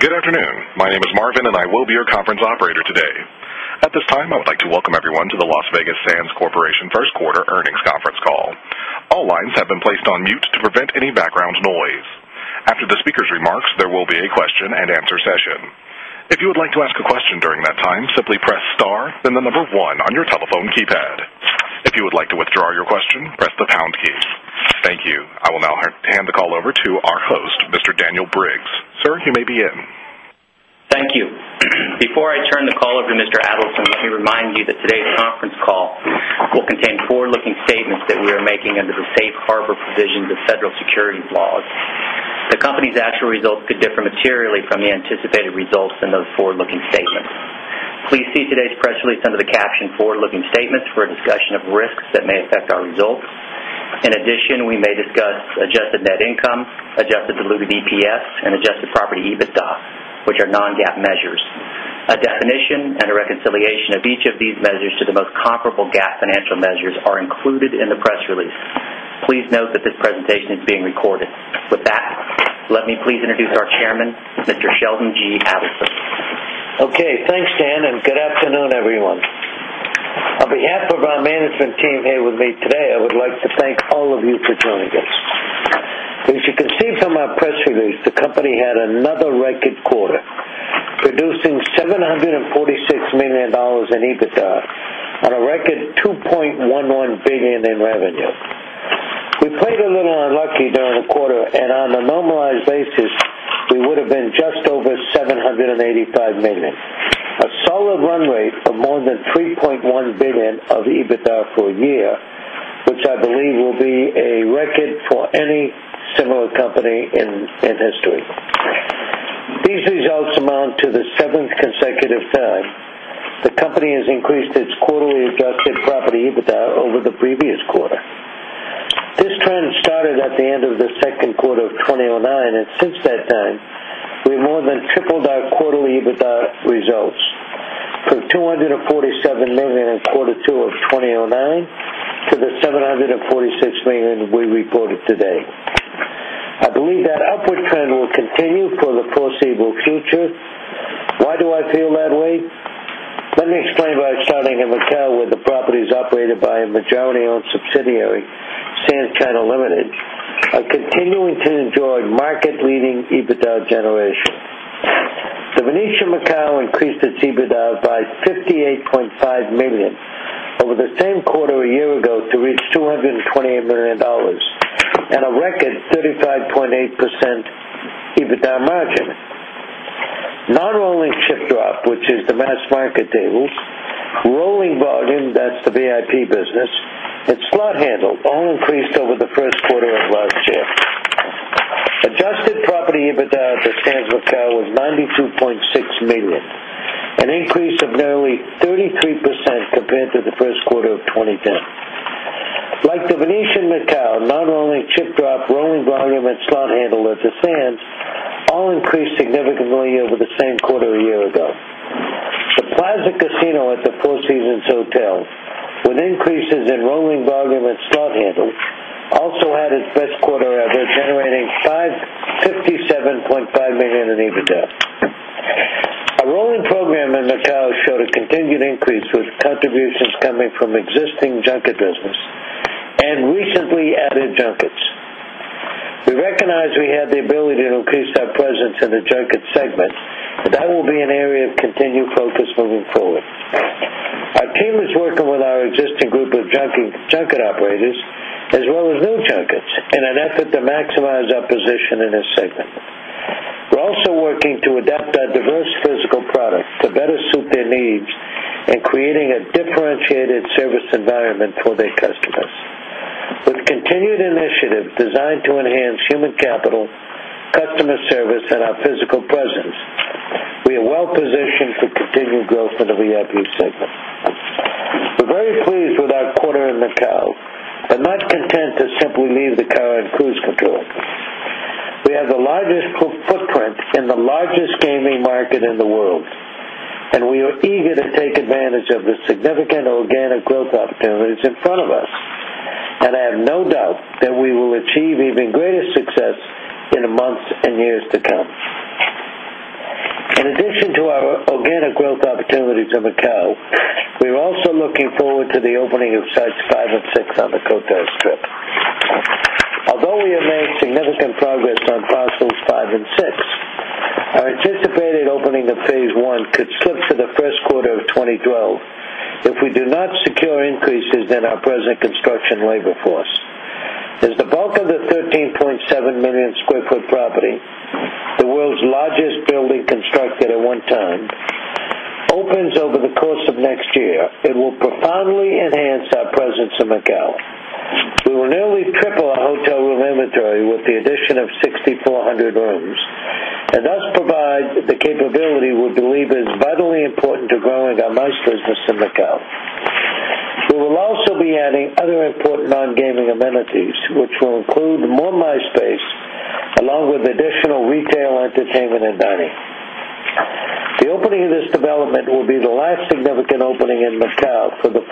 Good afternoon. My name is Marvin, and I will be your conference operator today. At this time, I would like to welcome everyone to the Las Vegas Sands Corporation First Quarter Earnings Conference Call. All lines have been placed on mute to prevent any background noise. After the speaker's remarks, there will be a question and answer session. If you would like to ask a question during that time, simply press star, then the number one on your telephone keypad. If you would like to withdraw your question, press the pound key. Thank you. I will now hand the call over to our host, Mr. Daniel Briggs. Sir, you may begin. Thank you. Before I turn the call over to Mr. Adelson, we remind you that today's conference call will contain forward-looking statements that we are making under the Safe Harbor provisions of federal security laws. The company's actual results could differ materially from the anticipated results in those forward-looking statements. Please see today's press release under the caption "Forward-Looking Statements for a Discussion of Risks That May Affect Our Results." In addition, we may discuss adjusted net income, adjusted diluted EPS, and adjusted property EBITDA, which are non-GAAP measures. A definition and a reconciliation of each of these measures to the most comparable GAAP financial measures are included in the press release. Please note that this presentation is being recorded. With that, let me please introduce our Chairman, Mr. Sheldon G. Adelson. Okay. Thanks, Dan, and good afternoon, everyone. On behalf of our management team here with me today, I would like to thank all of you for joining us. As you can see from our press release, the company had another record quarter, producing $746 million in EBITDA and a record $2.11 billion in revenue. We played a little unlucky during the quarter, and on a normalized basis, we would have been just over $785 million. A solid run rate of more than $3.1 billion of EBITDA per year, which I believe will be a record for any similar company in history. These results amount to the seventh consecutive time the company has increased its quarterly adjusted property EBITDA over the previous quarter. This trend started at the end of the second quarter of 2009, and since that time, we more than tripled our quarterly EBITDA results from $247 million in Q2 of 2009 to the $746 million we recorded today. I believe that upward trend will continue for the foreseeable future. Why do I feel that way? Let me explain by showing that in Macau, where the property is operated by a majority-owned subsidiary, Sands China Ltd., and continuing to enjoy market-leading EBITDA generation. The Venetian Macao increased its EBITDA by $58.5 million over the same quarter a year ago to reach $228 million and a record 35.8% EBITDA margin. Not only ship drop, which is the mass market tables, rolling volume, that's the VIP business, its slot handle all increased over the first quarter of last year. The adjusted property EBITDA at Sands Macao was $92.6 million, an increase of nearly 33% compared to the first quarter of 2010. Like The Venetian Macao, not only ship drop, rolling volume, and slot handle at the Sands all increased significantly over the same quarter a year ago. The Plaza Casino at the Four Seasons Hotel, with increases in rolling volume and slot handle, also had its best quarter ever, generating $57.5 million in EBITDA. Our rolling program at Macau showed a continued increase with contributions coming from existing junket business and recently added junkets. We recognize we have the ability to increase our presence in the junket segment, and that will be an area of continued focus moving forward. Our team is working with our existing group of junket operators as well as new junkets in an effort to maximize our position in this segment. We're also working to adapt our diverse physical products to better suit their needs in creating a differentiated service environment for their customers. With continued initiatives designed to enhance human capital, customer service, and our physical presence, we are well positioned for continued growth in the VIP segment. We're very pleased with our quarter in Macau and not content to simply leave the current cruise facility. We have the largest footprint in the largest gaming market in the world, and we are eager to take advantage of the significant organic growth opportunities in front of us. I have no doubt that we will achieve even greater success with the organic growth opportunities of Macau. We're also looking forward to the opening of sites 5 and 6 on the Cotai Strip. Although we have made significant progress on parcels V and VI, if we do not secure increases in our present construction labor force, as the bulk of the 13.7 million sq ft property, the world's largest building constructed at one time, opens over the course of next year, it will profoundly enhance our presence in Macau. We will nearly triple our hotel room inventory with the addition of 6,400 rooms and thus provide the capability we believe is vitally important to growing our market share in Macau. We will also be adding other important non-gaming amenities, which will include more meeting space along with additional retail, entertainment, and dining. The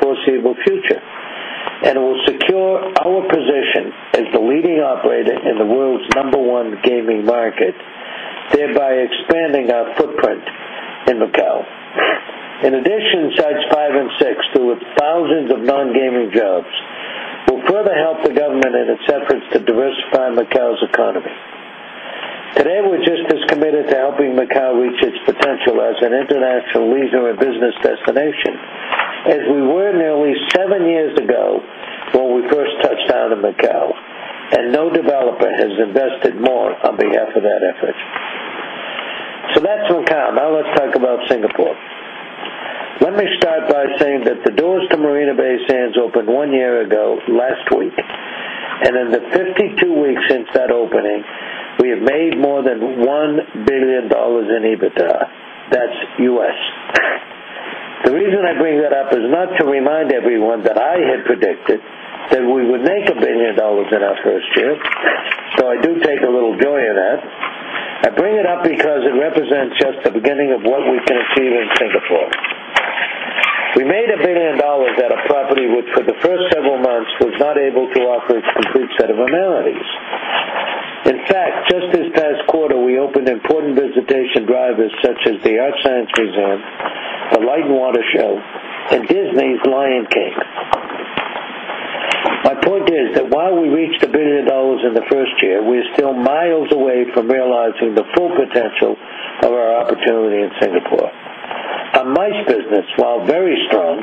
foreseeable future, and it will secure our position as the leading operator in the world's number one gaming market, thereby expanding our footprint in Macau. In addition, sites 5 and 6 too, with thousands of non-gaming jobs, will further help the government in its efforts to diversify Macau's economy. Today, we're just as committed to helping Macau reach its potential as an International Leisure and Business Destination as we were nearly 7 years ago when we first touched down in Macau. That's Macau. Now let's talk about Singapore. Let me start by saying that the doors to Marina Bay Sands opened 1 year ago last week, and in the 52 weeks since that opening, we have made more than $1 billion in EBITDA. That's U.S. The reason I bring that up is not to remind everyone that I had predicted that we would make $1 billion in our first year, though I do take a little joy in that. I bring it up because it represents just the beginning of what we can achieve in Singapore. We made $1 billion at a property which, for the first several months, was not able to offer its complete set of amenities. In fact, just this past quarter, we opened important visitation drivers such as the Art Science Resort, a light and water show, and Disney's Lion King. My point is that while we reached $1 billion in the first year, we're still miles away from realizing the full potential of our opportunity in Singapore. Our mass market segment business, while very strong,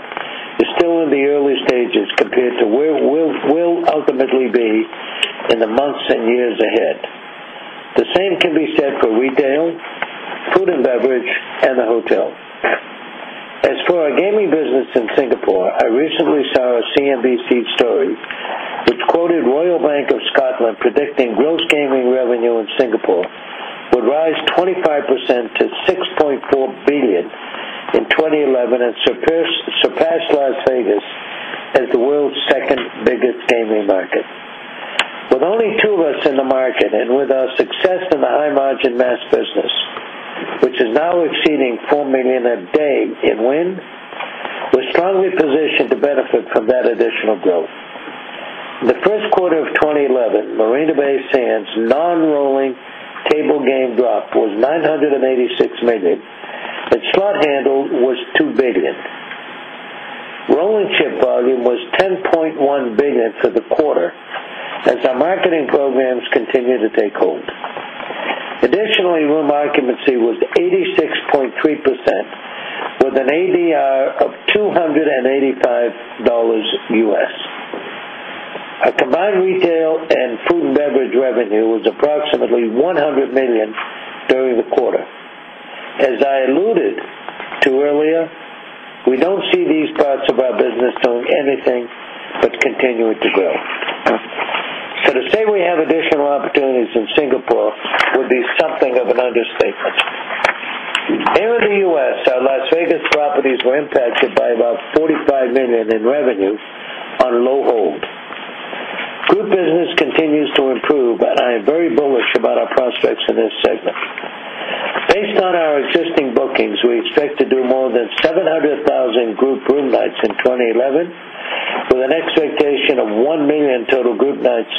is still in the early stages compared to where we'll ultimately be in the months and years ahead. The same can be said for retail, food and beverage, and the hotel. As for our gaming business in Singapore, I recently saw a CNBC story that quoted Royal Bank of Scotland predicting gross gaming revenue in Singapore would rise 25% to $6.4 billion in 2011 and surpass Las Vegas as the world's second biggest gaming market. With only two of us in the market and with our success in the high-margin mass business, which is now exceeding $4 million a day in win, we're strongly positioned to benefit from that additional growth. In the first quarter of 2011, Marina Bay Sands' non-rolling table game drop was $986 million, and slot handle was $2 billion. VIP rolling volume was $10.1 billion for the quarter as our marketing programs continued to take hold. Additionally, room occupancy was 86.3% with an ADR of $285. Our combined retail and food and beverage revenue was approximately $100 million during the quarter. As I alluded to earlier, we don't see these parts of our business doing anything but continuing to grow. To say we have additional opportunities in Singapore would be something of an understatement. At about $45 million in revenue on a low hold, group business continues to improve. I am very bullish about our prospects in this segment. Based on our existing bookings, we expect to do more than 700,000 group room nights in 2011 with an expectation of 1 million total group nights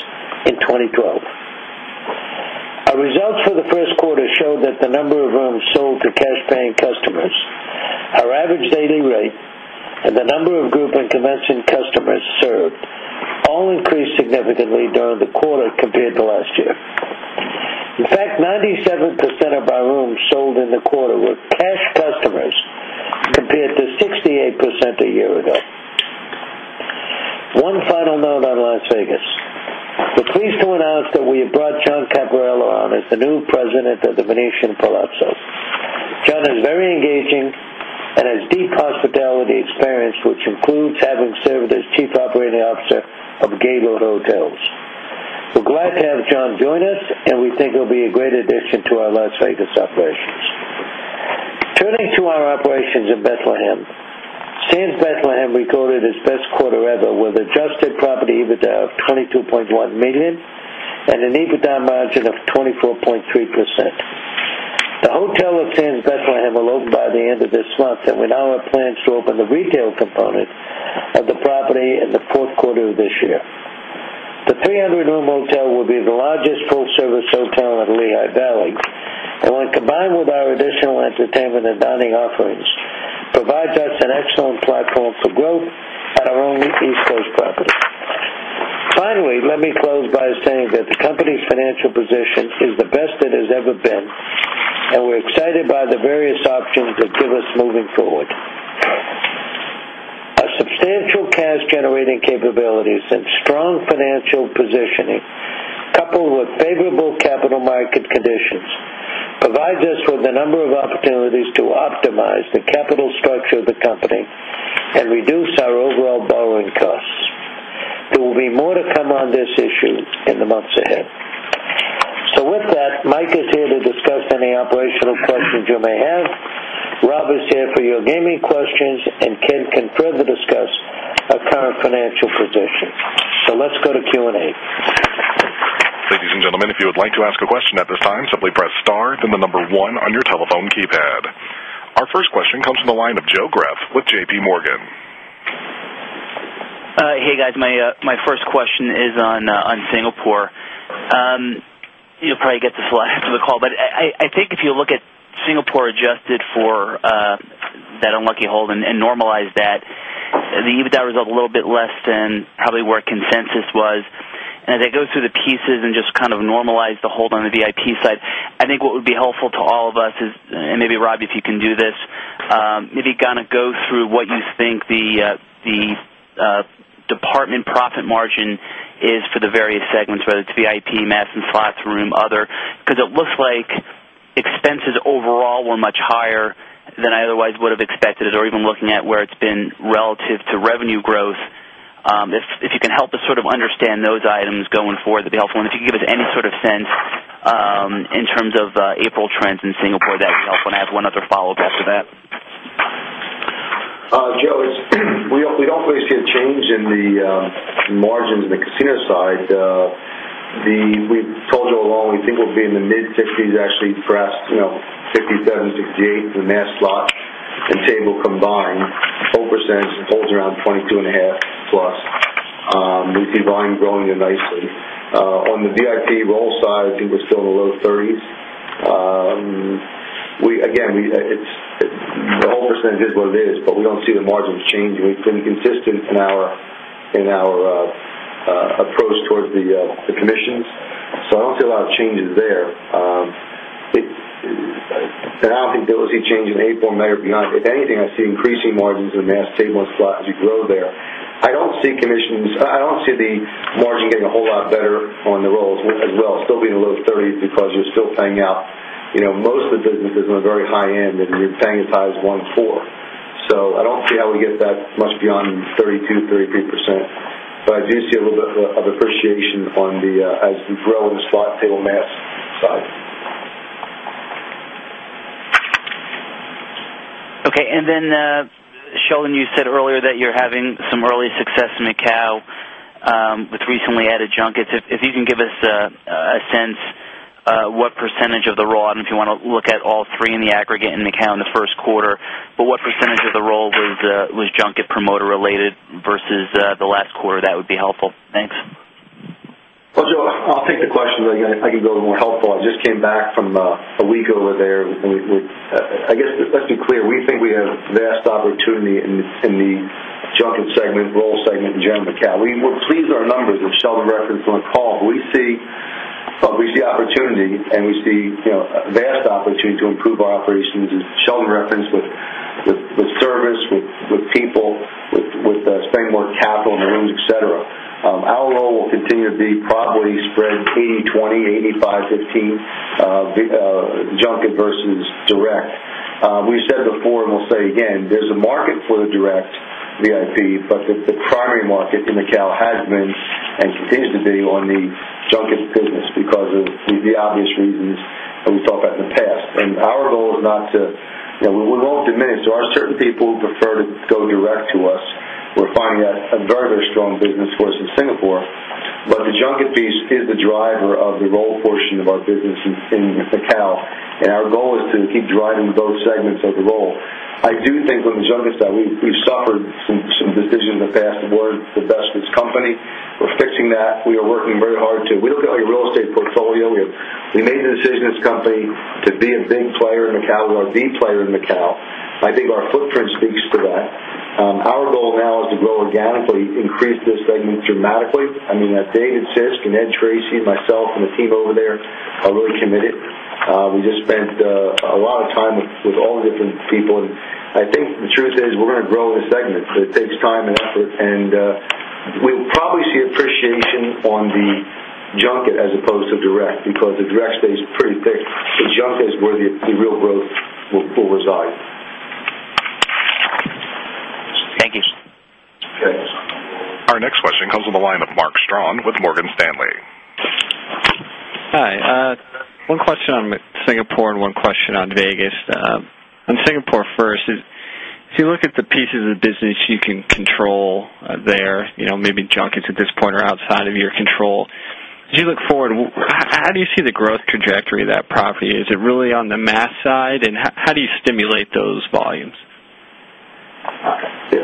in 2012. Our results for the first quarter show that the number of rooms sold to cash-paying customers, our average leading rate, and the number of group and convention customers served all increased significantly during the quarter compared to last year. In fact, 97% of our rooms sold in the quarter were cash-plus-price compared to 68% a year ago. One final note on Las Vegas. Please note that we have brought John Caparella on as the new President of The Venetian Palazzo. John is very engaging and has a deep hospitality experience, which includes having served as Chief Operating Officer of Gate Old Hotels. We're glad to have John join us, and we think he'll be a great addition to our Las Vegas operations. Turning to our operations in Bethlehem, Sands Bethlehem recorded its best quarter ever with adjusted property EBITDA of $22.1 million and an EBITDA margin of 24.3%. The hotel at Sands Bethlehem will open by the end of this month, and we now have plans to open the retail component of the property in the fourth quarter of this year. The 300-room hotel will be the largest full-service hotel in Lehigh Valley, and when combined with our additional entertainment and dining offerings, it provides us an excellent flat call for dome on our own East Lake property. Finally, let me close by saying that the company's financial position is the best it has ever been, and we're excited by the various options that give us moving forward. Our substantial cash-generating capabilities and strong financial positioning, coupled with favorable capital market conditions, provide us with a number of opportunities to optimize the capital structure of the company and reduce our overall borrowing costs. There will be more to come on this issue in the months ahead. Mike is here to discuss any operational questions you may have. Rob is here for your gaming questions and can confirm to discuss our current financial conditions. Let's go to Q&A. Ladies and gentlemen, if you would like to ask a question at this time, simply press star then the number one on your telephone keypad. Our first question comes from the line of Joe Graff with JPMorgan. Hey, guys. My first question is on Singapore. You'll probably get this a lot after the call, but I think if you look at Singapore adjusted for that unlucky hold and normalized that, the EBITDA result is a little bit less than probably where consensus was. As I go through the pieces and just kind of normalize the hold on the VIP side, I think what would be helpful to all of us is, and maybe Rob, if you can do this, maybe kind of go through what you think the department profit margin is for the various segments, whether it's VIP, mass and flats, room, other, because it looks like expenses overall were much higher than I otherwise would have expected it or even looking at where it's been relative to revenue growth. If you can help us sort of understand those items going forward, that'd be helpful. If you can give us any sort of sense in terms of April trends in Singapore, that'd be helpful. I have one other follow-up after that. Joe, we don't really see a change in the margin in the casino side. We've told it all along. We think we'll be in the mid-50s, actually, for us, 57%-58% for the mass slot and table combined. Hold percentage holds around 22.5% +. We see volume growing there nicely. On the VIP rolling volume side, I think we're still in the low 30s. Again, the hold percentage is what it is, but we don't see the margins changing. We've been consistent in our approach toward the commissions, so I don't see a lot of changes there. I don't think there will be a change in April and May or beyond. If anything, I see increasing margins in the mass table and slot as we grow there. I don't see commissions, I don't see the margin getting a whole lot better on the rolls as well, still being in the low 30s because we're still paying out. Most of the business is on a very high end, and you're paying as high as one fourth. I don't feel we get that much beyond 32%-33%, but I do see a little bit of appreciation as we grow in the slot table mass side. Okay. Sheldon, you said earlier that you're having some early success in Macau with recently added junkets. If you can give us a sense of what % of the roll, and if you want to look at all three in the aggregate in Macau in the first quarter, what % of the roll was junket promoter-related versus the last quarter, that would be helpful. Thanks. Joe, I'll take the question. I can go to the more helpful. I just came back from a week over there. Let's be clear. We think we have the best opportunity in the junket segment, roll segment, in general Macau. We were pleased with our numbers as Sheldon referenced on the call. We see opportunity, and we see the best opportunity to improve our operations as Sheldon referenced, with service, with people, with spending more capital in the rooms, etc. Our roll will continue to be probably spread 80/20, 85/15 junket versus direct. We've said it before, and we'll say it again. There's a market for the direct VIP, but the primary market in Macau has been and continues to be on the junket business because of the obvious reasons that we've talked about in the past. Our goal is not to, you know, we won't diminish. There are certain people who prefer to go direct to us. We're finding a very, very strong business for us in Singapore, but the junket piece is the driver of the roll portion of our business in Macau, and our goal is to keep driving both segments of the roll. I do think on the junket side, we've suffered some decisions in the past. We wanted to adopt this company. We're fixing that. We are working very hard too. We look at our real estate portfolio. We made a decision as a company to be a big player in Macau. We're a deep player in Macau. I think our footprint speaks to that. Our goal now is to grow organically, increase those segments dramatically. I mean, David Sisk and Ed Crashey, myself, and the team over there are really committed. We just spent a lot of time with all the different people. I think the truth is we're going to grow in the segments. It takes time, and we'll probably see appreciation on the junket as opposed to direct because the direct stays pretty thick. If the junket is where the real growth will reside. Thank you. Our next question comes from the line of Mark Strawn with Morgan Stanley. Hi. One question on Singapore and one question on Vegas. On Singapore first, if you look at the pieces of the business you can control there, you know, maybe junkets at this point are outside of your control. As you look forward, how do you see the growth trajectory of that property? Is it really on the mass side, and how do you stimulate those volumes?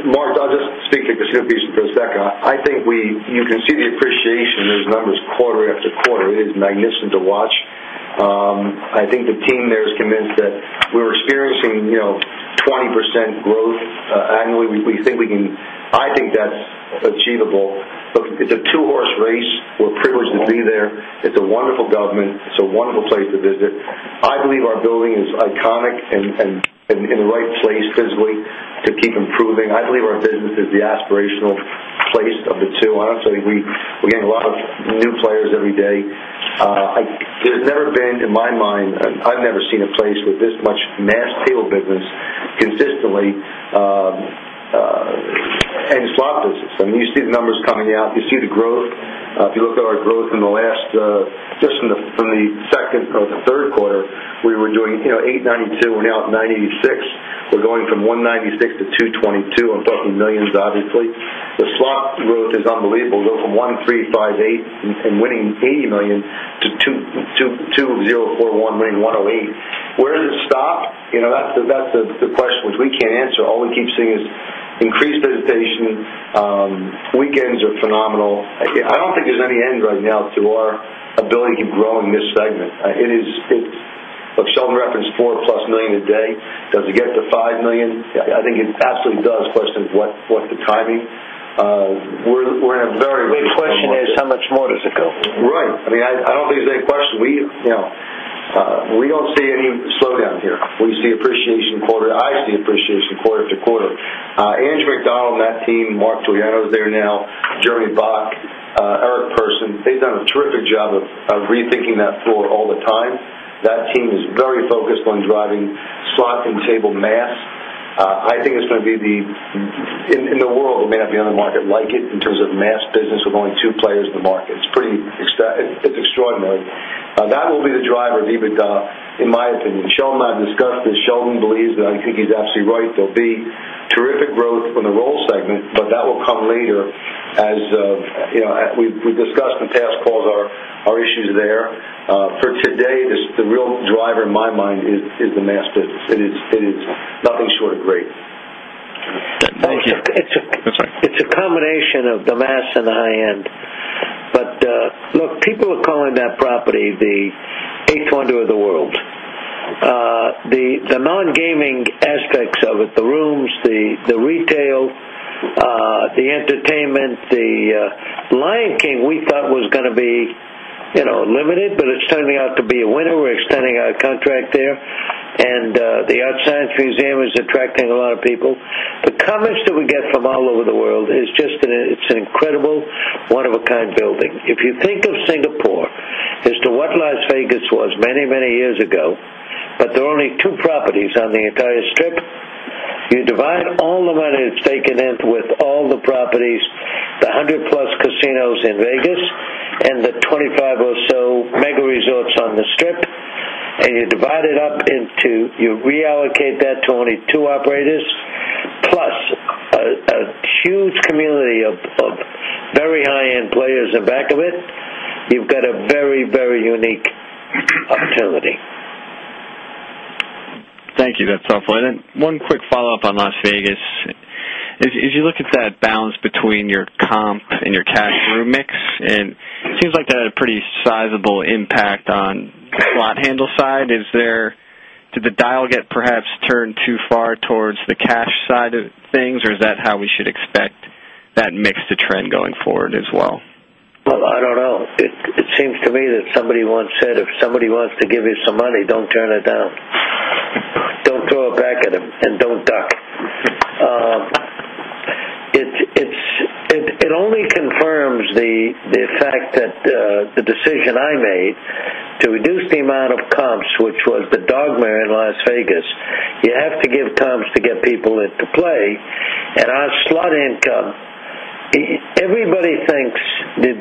Mark, I'll just speak at the share piece for a second. I think you can see the appreciation in those numbers quarter-after-quarter. It is magnificent to watch. I think the team there is convinced that we're experiencing 40% growth annually. We think we can, I think that's achievable. It's a two-horse race. We're privileged to be there. It's a wonderful government. It's a wonderful place to visit. I believe our building is iconic and in the right place physically to keep improving. I believe our business is the aspirational place of the two. Honestly, we're getting a lot of new players every day. There's never been, in my mind, I've never seen a place with this much mass table business consistently and slot business. When you see the numbers coming out, you see the growth. If you look at our growth in the last, just from the second or the third quarter, we were doing $892 million and now at $986 million. We're going from $196 million-$222 million and talking millions, obviously. The slot growth is unbelievable. We go from $1,358 and winning $80 million to $2,041 and $108 million. Where does it stop? That's the question, which we can't answer. All we keep seeing is increased visitation. Weekends are phenomenal. I don't think there's any end right now to our ability to keep growing this segment. It is, it's of Sheldon referenced 4-plus million a day. Does it get to 5 million? I think it absolutely does. The question is what the timing. We're in a very risky position. The big question is how much more does it go? Right. I mean, I don't think it's a big question. We don't see any slowdown here. We see appreciation quarter. I see appreciation quarter after quarter. Andrew McDonnell and that team, Mark Fujano is there now, Jeremy Bock, Eric Person, they've done a terrific job of rethinking that floor all the time. That team is very focused on driving slot and table mass. I think it's going to be, in the world, it may not be on the market like it in terms of mass business with only two players in the market. It's pretty, it's extraordinary. That will be the driver of EBITDA, in my opinion. Sheldon and I have discussed this. Sheldon believes that I think he's absolutely right. There'll be terrific growth from the roll segment, but that will come later as we've discussed and tackled all of our issues there. For today, the real driver in my mind is the mass business. It is nothing short of great. Thank you. It's a combination of the mass and high end. Look, people are calling that property the eighth wonder of the world. The non-gaming aspects of it, the rooms, the retail, the entertainment, the Lion King, we thought was going to be limited, but it's turning out to be a winner. We're extending our contract there. The Art Science Museum is attracting a lot of people. The comments that we get from all over the world are just that it's an incredible one-of-a-kind building. If you think of Singapore as to what Las Vegas was many, many years ago, there are only two properties on the entire strip. You divide all the money that's taken in with all the properties, the 100+ casinos in Las Vegas, and the 25 or so mega resorts on the strip, and you divide it up into, you reallocate that to only two operators plus a huge community of very high-end players in the back of it, you've got a very, very unique opportunity. Thank you. That's helpful. One quick follow-up on Las Vegas. As you look at that balance between your comp and your cash-through mix, it seems like that had a pretty sizable impact on the flat handle side. Did the dial get perhaps turned too far towards the cash side of things, or is that how we should expect that mix to trend going forward as well? It seems to me that somebody once said, "If somebody wants to give you some money, don't turn it down. Don't throw it back at them and don't dial." It only confirms the fact that the decision I made to reduce the amount of comps, which was the dogma in Las Vegas, you have to give comps to get people into play. Our slot income, everybody thinks that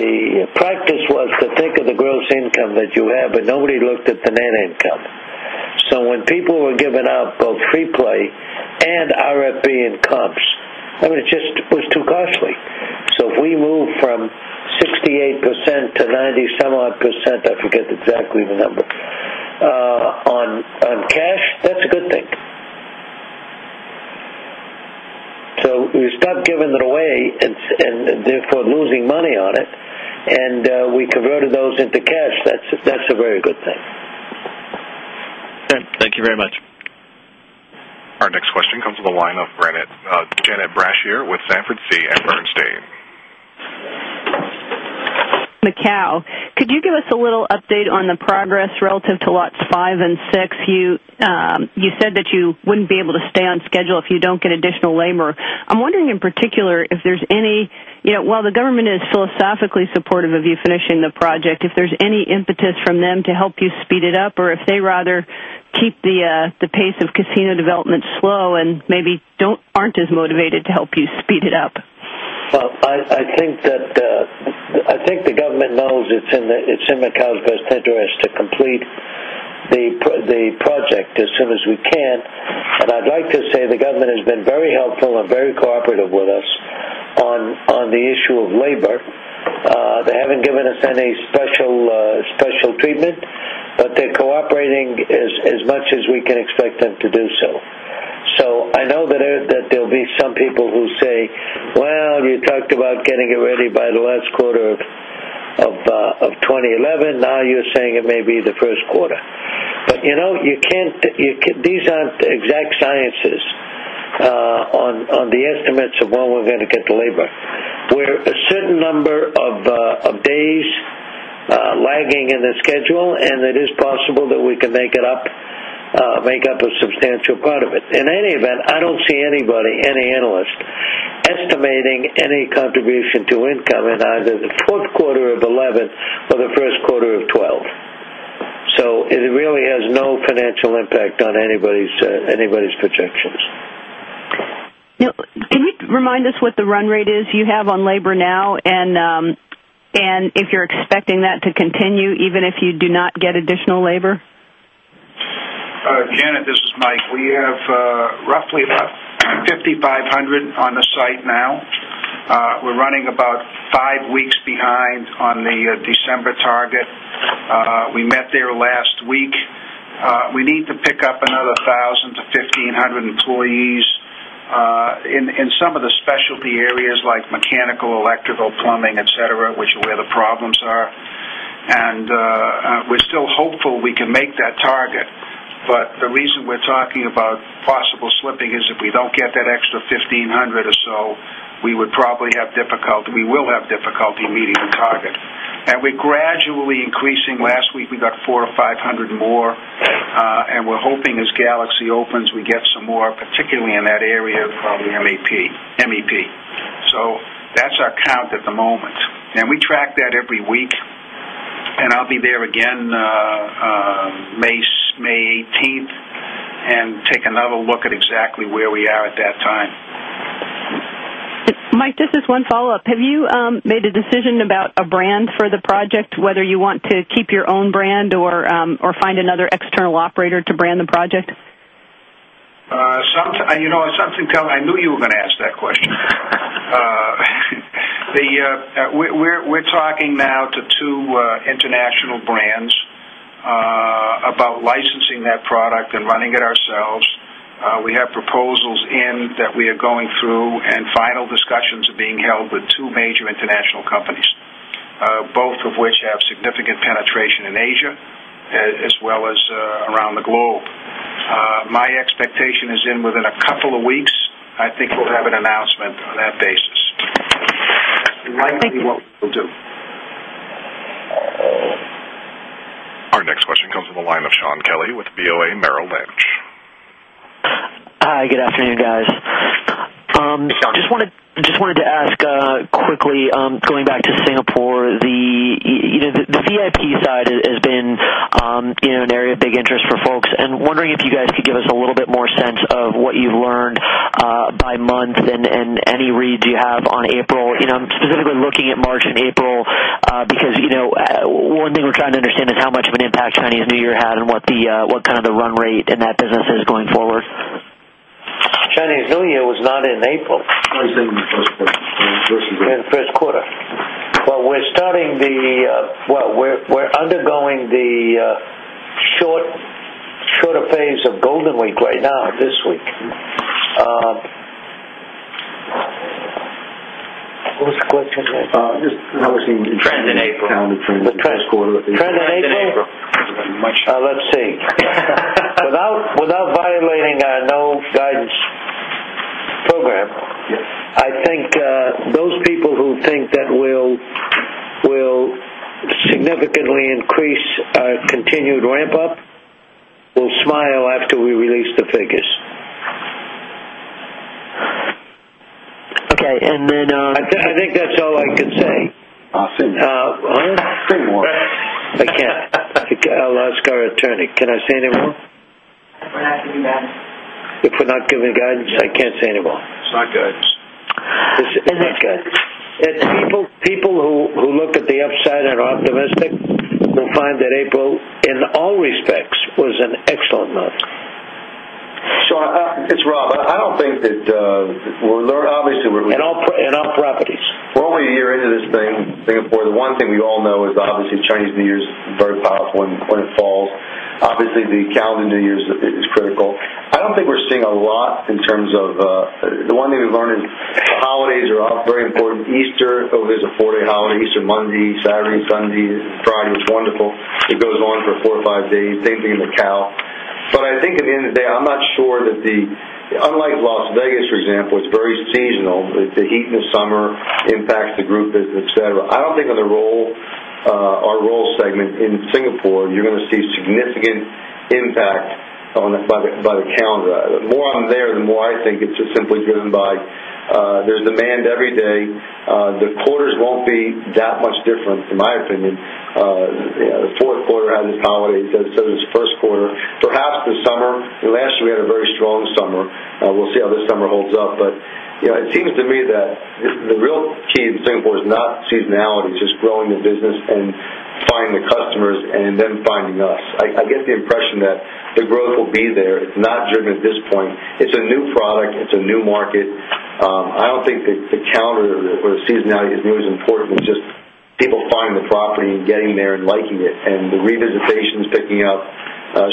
the practice was to think of the gross income that you have, but nobody looked at the net income. When people were giving out both free play and RFB and comps, it was too costly. If we move from 68%-90-some-odd %, I forget exactly the number, on cash, that's a good thing. We stopped giving it away and therefore losing money on it, and we converted those into cash. That's a very good thing. Thank you very much. Our next question comes from the line of Janet Brashear with Sanford C. Bernstein. Macau. Could you give us a little update on the progress relative to slots 5 and 6? You said that you wouldn't be able to stay on schedule if you don't get additional labor. I'm wondering in particular if there's any, you know, while the government is philosophically supportive of you finishing the project, if there's any impetus from them to help you speed it up or if they'd rather keep the pace of Casino development slow and maybe aren't as motivated to help you speed it up. I think the government knows it's in Macau's best interest to complete the project as soon as we can. I'd like to say the government has been very helpful and very cooperative with us on the issue of labor. They haven't given us any special treatment, but they're cooperating as much as we can expect them to do. I know that there'll be some people who say, "You talked about getting it ready by the last quarter of 2011. Now you're saying it may be the first quarter." You know, these aren't exact sciences on the estimates of when we're going to get the labor. We're a certain number of days lagging in the schedule, and it is possible that we can make it up, make up a substantial part of it. In any event, I don't see anybody, any analyst, estimating any contribution to income in either the fourth quarter of 2011 or the first quarter of 2012. It really has no financial impact on anybody's projections. Can you remind us what the run rate is you have on labor now, and if you're expecting that to continue even if you do not get additional labor? Janet, this is Mike. We have roughly about 5,500 on the site now. We're running about 5 weeks behind on the December target. We met there last week. We need to pick up another 1,000 employees-1,500 employees in some of the specialty areas like mechanical, electrical, plumbing, etc., which is where the problems are. We're still hopeful we can make that target. The reason we're talking about possible slipping is if we don't get that extra 1,500 or so, we would probably have difficulty, we will have difficulty meeting the target. We're gradually increasing. Last week, we got 400 or 500 more. We're hoping as Galaxy opens, we get some more, particularly in that area of the MEP. That's our count at the moment. We track that every week. I'll be there again May 18th and take another look at exactly where we are at that time. Mike, this is one follow-up. Have you made a decision about a brand for the project, whether you want to keep your own brand or find another external operator to brand the project? You know what? I knew you were going to ask that question. We're talking now to two international brands about licensing that product and running it ourselves. We have proposals in that we are going through, and final discussions are being held with two major international companies, both of which have significant penetration in Asia as well as around the globe. My expectation is within a couple of weeks, I think we'll have an announcement on that basis. Likely we will do. Our next question comes from the line of Shaun Kelley with Bank of America Merrill Lynch. Hi. Good afternoon, guys. I just wanted to ask quickly, going back to Singapore, the VIP side has been an area of big interest for folks. I'm wondering if you guys could give us a little bit more sense of what you've learned by month and any read you have on April, specifically looking at March and April, because one thing we're trying to understand is how much of an impact Chinese New Year had and what kind of the run rate in that business is going forward. Chinese New Year was not in April. I was thinking first of this year. We are undergoing the shorter phase of Golden Week right now this week. What was the question again? Just how it is in. Trends in April. How are the trends in April? The trends in April. Trends in April. Let's see. I think that will significantly increase our continued ramp-up. We'll smile after we release the figures. Okay. Then. I think that's all I could say. I'll say more. I'll ask our attorney. Can I say anything more? If we're not giving guidance, I can't say anything more. Not good. Isn't that good? As people who look at the upside and are optimistic, you'll find that April, in all respects, was an excellent month. It's Rob. I don't think that we'll learn, obviously. Our properties. Before we head into this thing, Singapore, the one thing we all know is obviously Chinese New Year is very powerful in the fall. Obviously, the calendar New Year is critical. I don't think we're seeing a lot in terms of the one thing we learn is holidays are very important. Easter, there's a four-day holiday. Easter Monday, Saturday, Sunday, Friday, which is wonderful. It goes on for 4 or 5 days. Same thing in Macau. I think at the end of the day, I'm not sure that, unlike Las Vegas, for example, it's very seasonal. It's the heat in the summer impacts the group business, etc. I don't think on the roll, our roll segment in Singapore, you're going to see significant impact by the calendar. The more I'm there, the more I think it's just simply driven by there's demand every day. The quarters won't be that much different, in my opinion. The fourth quarter has its holidays as does its first quarter. Perhaps the summer, last year we had a very strong summer. We'll see how this summer holds up. It seems to me that the real key in Singapore is not seasonality. It's just growing the business and finding the customers and then finding us. I get the impression that the growth will be there. It's not driven at this point. It's a new product. It's a new market. I don't think that the calendar or the seasonality is nearly as important as just people buying the property and getting there and liking it. The revisitation is picking up.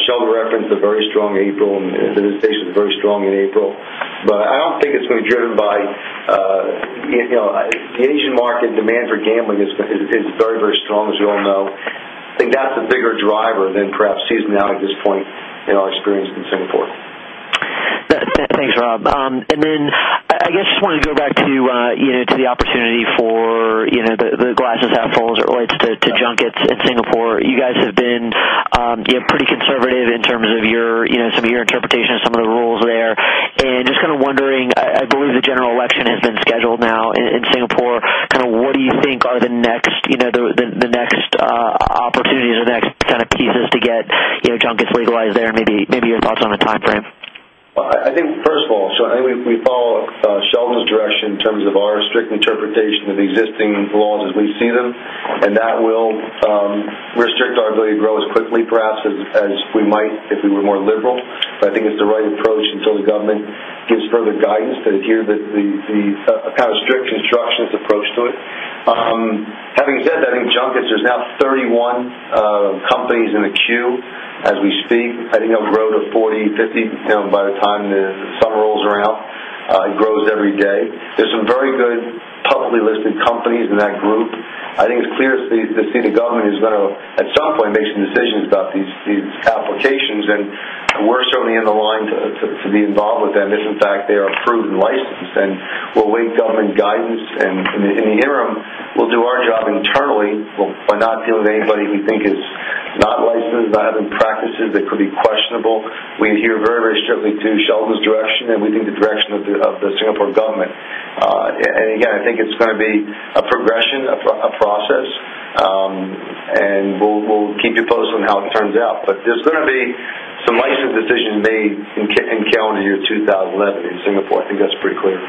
Sheldon referenced a very strong April, and the visitation is very strong in April. I don't think it's going to be driven by the Asian market demand for gambling is very, very strong, as you all know. I think that's a bigger driver than perhaps seasonality at this point in our experience in Singapore. Thanks, Rob. I just wanted to go back to the opportunity for the glass half-full as it relates to junkets in Singapore. You guys have been pretty conservative in terms of some of your interpretation of some of the rules there. I believe the general election has been scheduled now in Singapore. What do you think are the next opportunities, the next pieces to get junkets legalized there, and maybe your thoughts on a timeframe. I think first of all, we follow Sheldon's direction in terms of our strict interpretation of the existing laws as we see them. That will restrict our ability to grow as quickly, perhaps, as we might if we were more liberal. I think it's the right approach until the government gives further guidance to adhere to the kind of strict and structured approach to it. Having said that, I think junkets, there's now 31 companies in the queue as we speak. I think they'll grow to 40, 50 by the time the thumb rolls around. It grows every day. There are some very good publicly listed companies in that group. I think it's clear to see the government is going to at some point make some decisions about these applications. We're certainly in the line to be involved with them. If, in fact, they are approved and licensed, then we'll await government guidance. In the interim, we'll do our job internally. We'll find out dealing with anybody we think is not licensed, not having practices that could be questionable. We adhere very, very strictly to Sheldon's direction and we think the direction of the Singapore government. I think it's going to be a progression, a process. We'll keep you posted on how it turns out. There's going to be some licensing decisions made in calendar year 2011 in Singapore. I think that's pretty clear.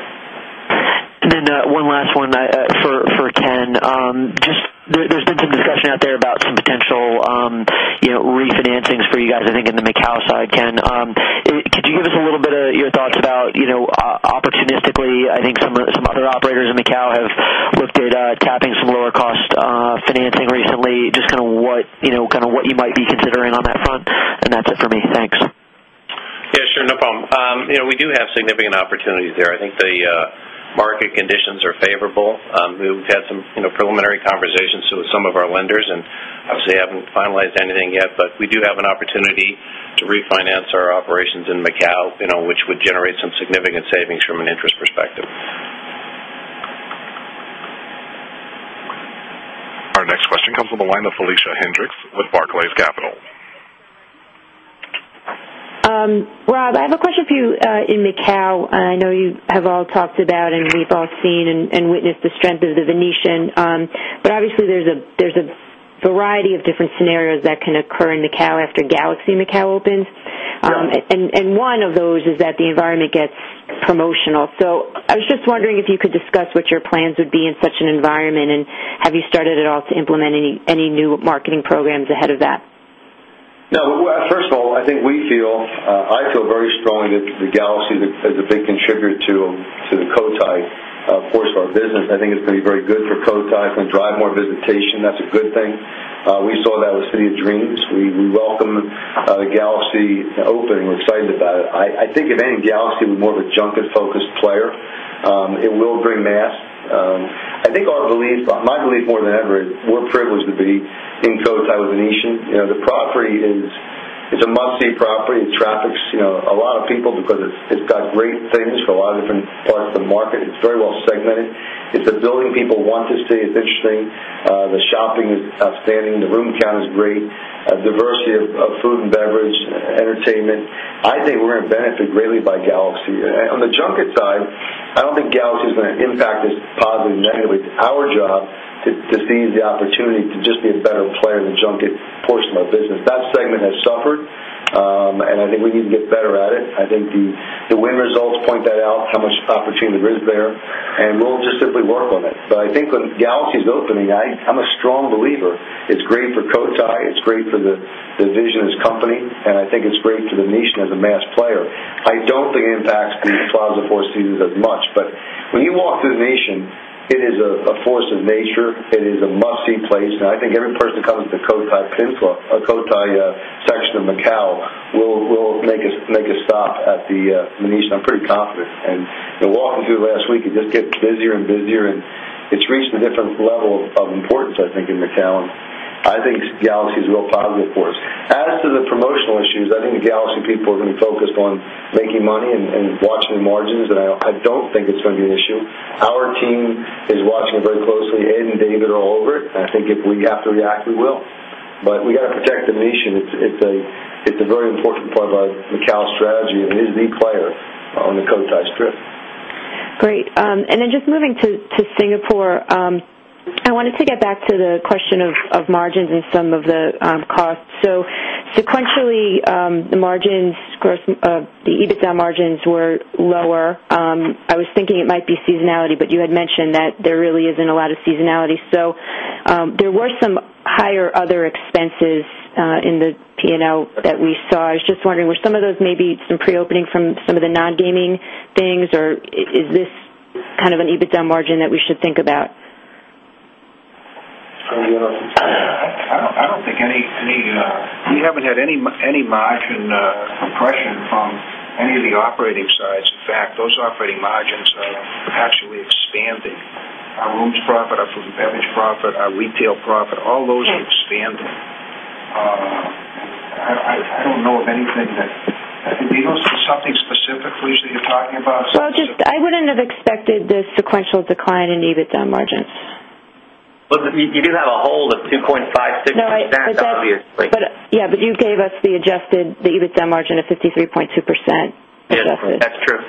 One last one for Ken. There's been some discussion out there about some potential refinancings for you guys, I think, in the Macau side. Ken, could you give us a little bit of your thoughts about, you know, opportunistically, I think some other operators in Macau have looked at tapping some lower-cost financing recently. Just kind of what you might be considering on that front. That's it for me. Thanks. Yeah, sure. No problem. You know, we do have significant opportunities there. I think the market conditions are favorable. We've had some preliminary conversations with some of our lenders, and obviously, I haven't finalized anything yet, but we do have an opportunity to refinance our operations in Macau, which would generate some significant savings from an interest perspective. Our next question comes from the line of Felicia Hendrix with Barclays Capital. Rob, I have a question for you in Macau. I know you have all talked about and we've all seen and witnessed the strength of The Venetian. Obviously, there's a variety of different scenarios that can occur in Macau after Galaxy Macau opens. One of those is that the environment gets promotional. I was just wondering if you could discuss what your plans would be in such an environment and have you started at all to implement any new marketing programs ahead of that? Yeah. First of all, I think we feel, I feel very strongly that Galaxy is a big contributor to the Cotai portion of our business. I think it's going to be very good for Cotai and drive more visitation. That's a good thing. We saw that with City of Dreams. We welcome the Galaxy opening. We're excited about it. I think if anything, Galaxy would be more of a junket-focused player. It will bring mass. I think our belief, my belief more than ever, is we're privileged to be in Cotai with The Venetian. You know, the property is a must-see property. It attracts, you know, a lot of people because it's done great things for a lot of different parts of the market. It's very well segmented. It's a billion people want to stay. It's interesting. The shopping is outstanding. The room count is great. A diversity of food and beverage, entertainment. I think we're going to benefit greatly by Galaxy. On the junket side, I don't think Galaxy is going to impact us positively or negatively. It's our job to seize the opportunity to just be a better player in the junket portion of our business. That segment has suffered, and I think we need to get better at it. I think the win results point that out, how much opportunity there is there. We'll just simply work on it. I think when Galaxy's opening, I'm a strong believer. It's great for Cotai. It's great for the vision as a company. I think it's great for The Venetian as a mass player. I don't think it impacts the Four Seasons as much. When you walk through The Venetian, it is a force of nature. It is a must-see place. I think every person that comes to Cotai, a Cotai section of Macau, will make a stop at The Venetian. I'm pretty confident. Walking through last week, it just gets busier and busier. It's reached a different level of importance, I think, in Macau. I think Galaxy is a real positive for us. As to the promotional issues, I think the Galaxy people are going to be focused on making money and watching the margins. I don't think it's going to be an issue. Our team is watching it very closely, Ed and David all over it. I think if we have to react, we will. We got to protect The Venetian. It's a very important part of our Macau strategy, and it is the player on the Cotai Strip. Great. Just moving to Singapore, I wanted to get back to the question of margins and some of the costs. Sequentially, the margins, the EBITDA margins were lower. I was thinking it might be seasonality, but you had mentioned that there really isn't a lot of seasonality. There were some higher other expenses in the P&L that we saw. I was just wondering, were some of those maybe some pre-opening from some of the non-gaming things, or is this kind of an EBITDA margin that we should think about? I don't think anything. We haven't had any margin compression from any of the operating sides. In fact, those operating margins have actually expanded. Our rooms profit, our food and beverage profit, our retail profit, all those have expanded. I don't know of anything that, you know, something specific for you that you're talking about. I wouldn't have expected this sequential decline in EBITDA margin. You do have a hold of 2.56%. No, that's okay. That's what we expected. You gave us the adjusted EBITDA margin of 53.2% adjusted. That's true.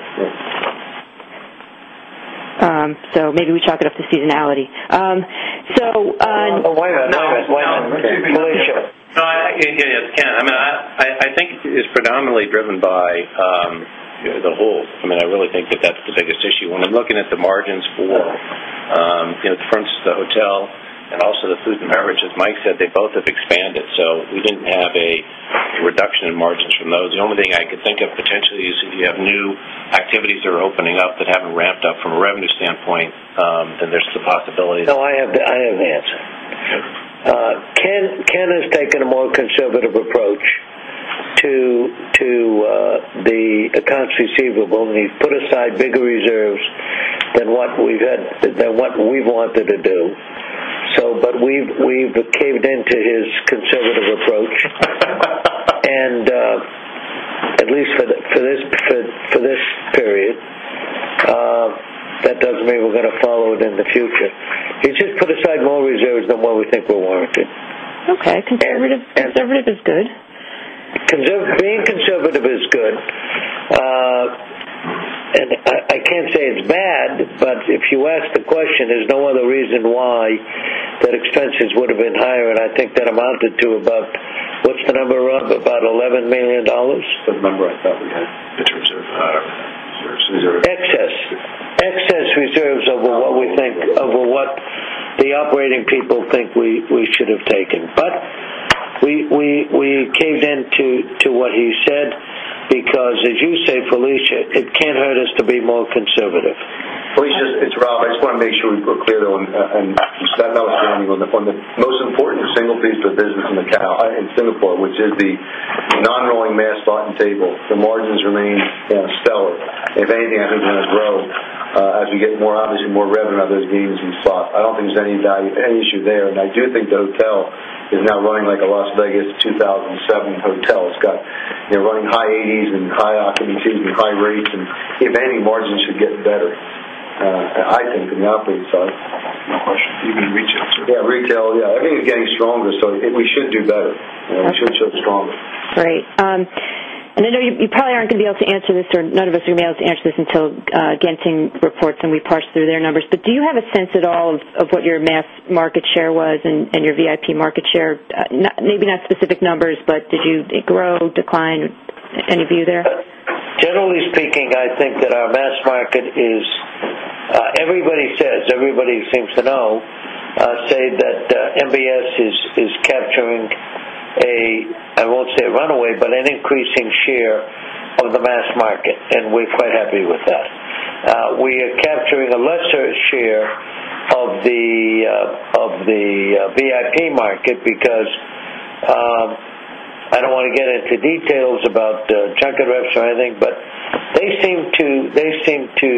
Maybe we chalk it up to seasonality. No, no, no. Let's see if you can hear me. Yeah, this is Ken, I mean, I think it's predominantly driven by the hold. I mean, I really think that that's the biggest issue. When I'm looking at the margins for, you know, the front, the hotel, and also the food and beverage, as Mike said, they both have expanded. We didn't have a reduction in margins from those. The only thing I could think of potentially is if you have new activities that are opening up that haven't ramped up from a revenue standpoint, then there's the possibility. I have the answer. Ken has taken a more conservative approach to the accounts receivable, and he's put aside bigger reserves than what we've had, than what we've wanted to do. We've caved into his conservative approach. At least for this period, that doesn't mean we're going to follow it in the future. He's just put aside more reserves than what we think were warranted. Okay. Conservative is good. Being conservative is good. I can't say it's bad, but if you ask the question, there's no other reason why that expenses would have been higher. I think that amounted to about, what's the number run? About $11 million? The number I thought we had, different reserves. I don't know. Excess reserves over what we think, over what the operating people think we should have taken. We caved in to what he said because, as you say, Felicia, it can't hurt us to be more conservative. Felicia, it's Rob. I just want to make sure we're clear on, and I know it's been on the phone, the most important single piece of business in Singapore, which is the non-rolling mass slot and table. The margins remain, you know, stellar. If anything, I think they're going to grow as we get more, obviously, more revenue out of those games we saw. I don't think there's any value, any issue there. I do think the hotel is now running like a Las Vegas 2007 hotel. It's got, you know, running high 80s and high occupancy and high rates. If anything, margins should get better, I think, in the operating side. No question. Even retail too. Yeah, retail. Yeah. I think it's getting stronger. I think we should do better. We should show stronger. Right. I know you probably are not going to be able to answer this, or none of us are going to be able to answer this until Genting reports and we parse through their numbers. Do you have a sense at all of what your mass market share was and your VIP market share? Maybe not specific numbers, but did you grow, decline, any view there? Generally speaking, I think that our mass market is, everybody says, everybody seems to know, say that Marina Bay Sands is capturing a, I won't say a runaway, but an increasing share of the mass market, and we're quite happy with that. We are capturing a lesser share of the VIP market because I don't want to get into details about the junket reps or anything, but they seem to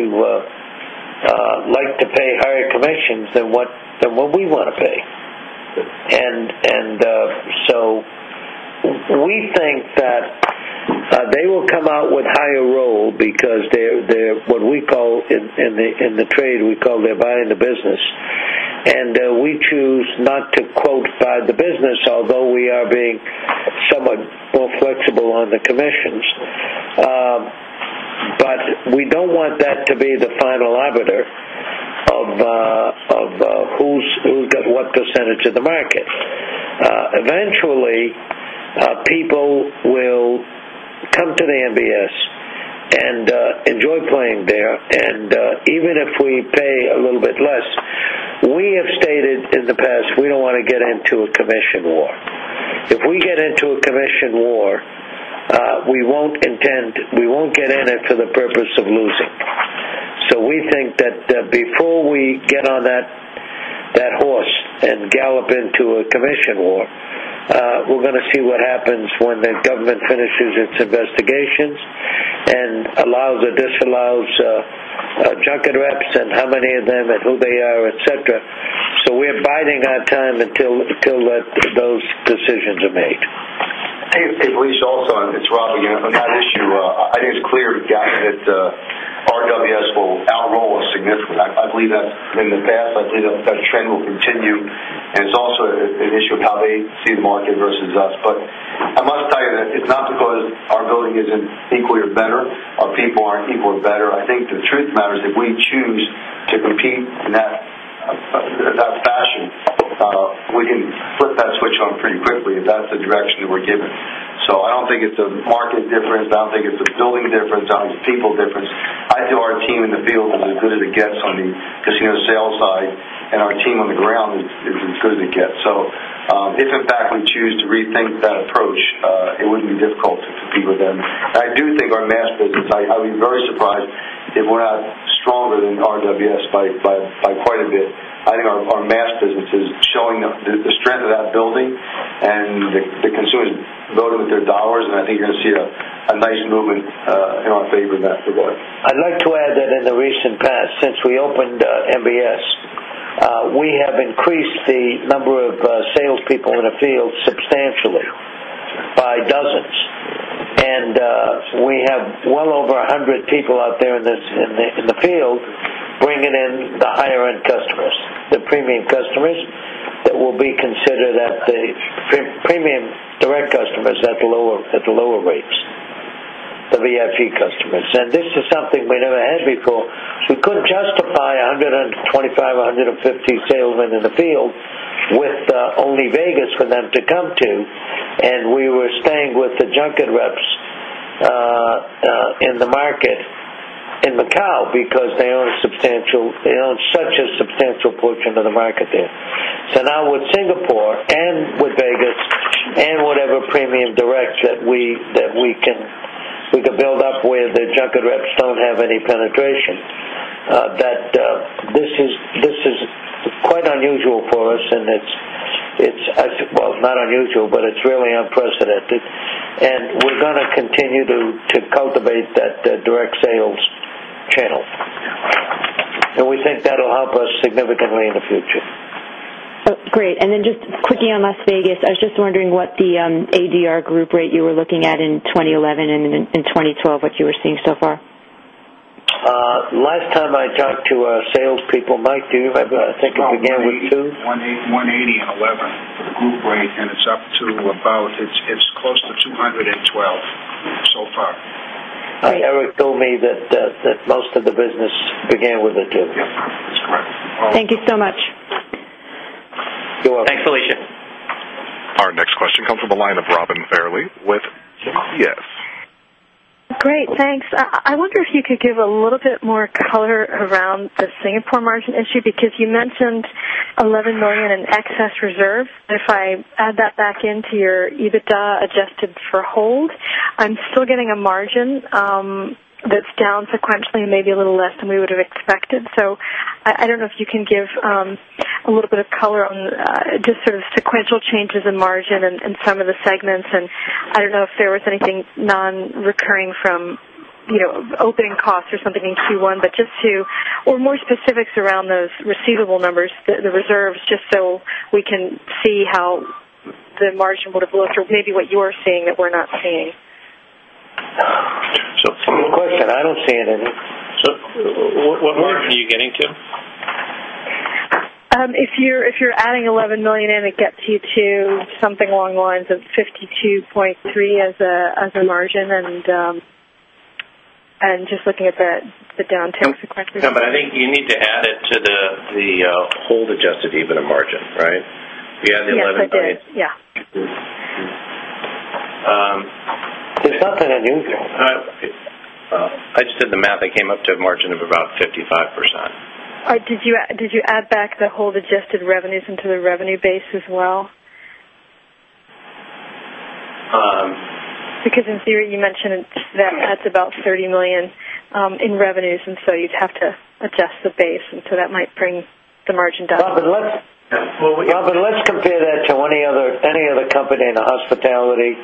like to pay higher commissions than what we want to pay. We think that they will come out with higher roll because they're what we call in the trade, we call they're buying the business. We choose not to quote buy the business, although we are being somewhat more flexible on the commissions of what % of the market. Eventually, people will come to the Marina Bay Sands and enjoy playing there. Even if we pay a little bit less, we have stated in the past, we don't want to get into a commission war. If we get into a commission war, we won't intend, we won't get in it for the purpose of losing. We think that before we get on that horse and gallop into a commission war, we're going to see what happens when the government finishes its investigations and allows or disallows junket reps and how many of them and who they are, etc. We're biding our time until those decisions are made. I believe so, also, and it's Rob, again, on that issue. I think it's clear to get that RWS will outroll us significantly. I believe that's been the past. I believe that trend will continue. It's also an issue of how they see the market versus us. I'm going to tell you that it's not because our building isn't equally or better, our people aren't equal or better. I think the truth of the matter is if we choose to compete in that fashion, we can flip that switch on pretty quickly if that's the direction that we're given. I don't think it's a market difference. I don't think it's a building difference. I think it's a people difference. I think our team in the field is as good as it gets on the casino sales side, and our team on the ground is as good as it gets. If, in fact, we choose to rethink that approach, it wouldn't be difficult to compete with them. I do think our mass business, I'd be very surprised if we're not stronger than RWS by quite a bit. I think our mass business is showing the strength of that building and the consumers voting with their dollars. I think you're going to see a nice movement in our favor of that. I'd like to add that in the recent past, since we opened Marina Bay Sands, we have increased the number of salespeople in the field substantially by dozens. We have well over 100 people out there in the field bringing in the higher-end customers, the premium customers that will be considered as the premium direct customers at the lower rates, the VIP customers. This is something we never had before. We couldn't justify 125 or 150 salesmen in the field with only Las Vegas for them to come to. We were staying with the junket reps in the market in Macau because they own such a substantial portion of the market there. Now with Singapore and with Las Vegas and whatever premium direct that we can build up where the junket reps don't have any penetration, this is quite unusual for us. It's not unusual, but it's really unprecedented. We're going to continue to cultivate the direct sales channels. We think that'll help us significantly in the future. Great. Just quickly on Las Vegas, I was just wondering what the ADR group rate you were looking at in 2011 and in 2012, what you were seeing so far? Last time I talked to our salespeople, Mike, do you think it began with two? It was $180 in 2011 for the group rate, and it's up to about, it's close to $212 so far. Eric told me that most of the business began with a two. Thank you so much. You're welcome. Thanks, Felicia. Our next question comes from the line of Robin Farley with UBS. Great. Thanks. I wonder if you could give a little bit more color around the Singapore margin issue because you mentioned $11 million in excess reserve. If I add that back into your EBITDA adjusted for hold, I'm still getting a margin that's down sequentially and maybe a little less than we would have expected. I don't know if you can give a little bit of color on just sort of sequential changes in margin in some of the segments. I don't know if there was anything non-recurring from, you know, opening costs or something in Q1, or more specifics around those receivable numbers, the reserves, just so we can see how the margin would have looked or maybe what you're seeing that we're not seeing. I don't see anything. What margin are you getting to? If you're adding $11 million in, it gets you to something along the lines of 52.3% as a margin. Just looking at the downtown sequence. I think you need to add it to the hold adjusted EBITDA margin, right? If you add the $11 million. Yeah. I did. Yes It's not that unusual. I just did the math. I came up to a margin of about 55%. Did you add back the hold-adjusted revenues into the revenue base as well? Because in theory, you mentioned that's about $30 million in revenues, so you'd have to adjust the base. That might bring the margin down. Yeah, let's compare that to any other company in the hospitality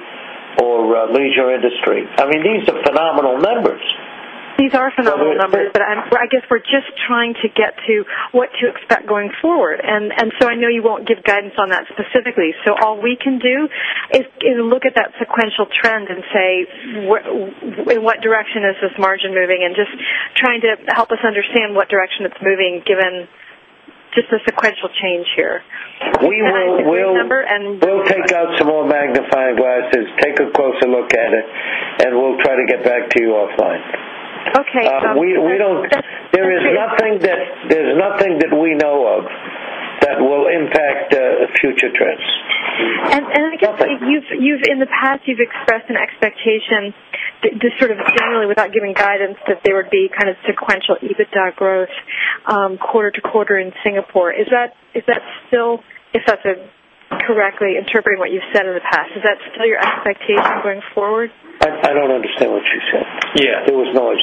or leisure industry. I mean, these are phenomenal numbers. These are phenomenal numbers. I guess we're just trying to get to what to expect going forward. I know you won't give guidance on that specifically. All we can do is look at that sequential trend and say, in what direction is this margin moving? Just trying to help us understand what direction it's moving given just the sequential change here. We will take out some more magnifying glasses, take a closer look at it, and we'll try to get back to you offline. Okay. There is nothing that we know of that will impact future trends. In the past, you've expressed an expectation that, just sort of generally, without giving guidance, there would be kind of sequential EBITDA growth quarter-to-quarter in Singapore. Is that still, if that's correctly interpreting what you've said in the past, is that still your expectation going forward? I don't understand what you said. Yeah, there was noise.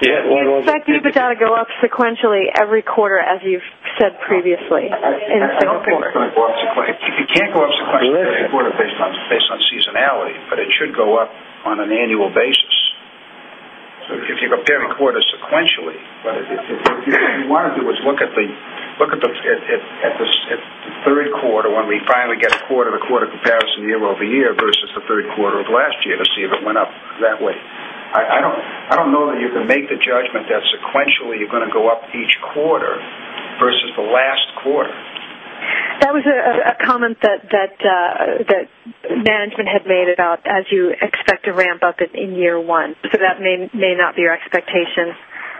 Can't expect EBITDA to go up sequentially every quarter, as you've said previously, in second quarter? It can't go up sequentially every quarter based on seasonality, but it should go up on an annual basis. If you're comparing quarters sequentially, what you want to do is look at the third quarter when we finally get quarter-to-quarter comparison year-over-year versus the third quarter of last year to see if it went up that way. I don't know that you can make the judgment that sequentially you're going to go up each quarter versus the last quarter. That was a comment that management had made about as you expect to ramp up in year one. That may not be your expectation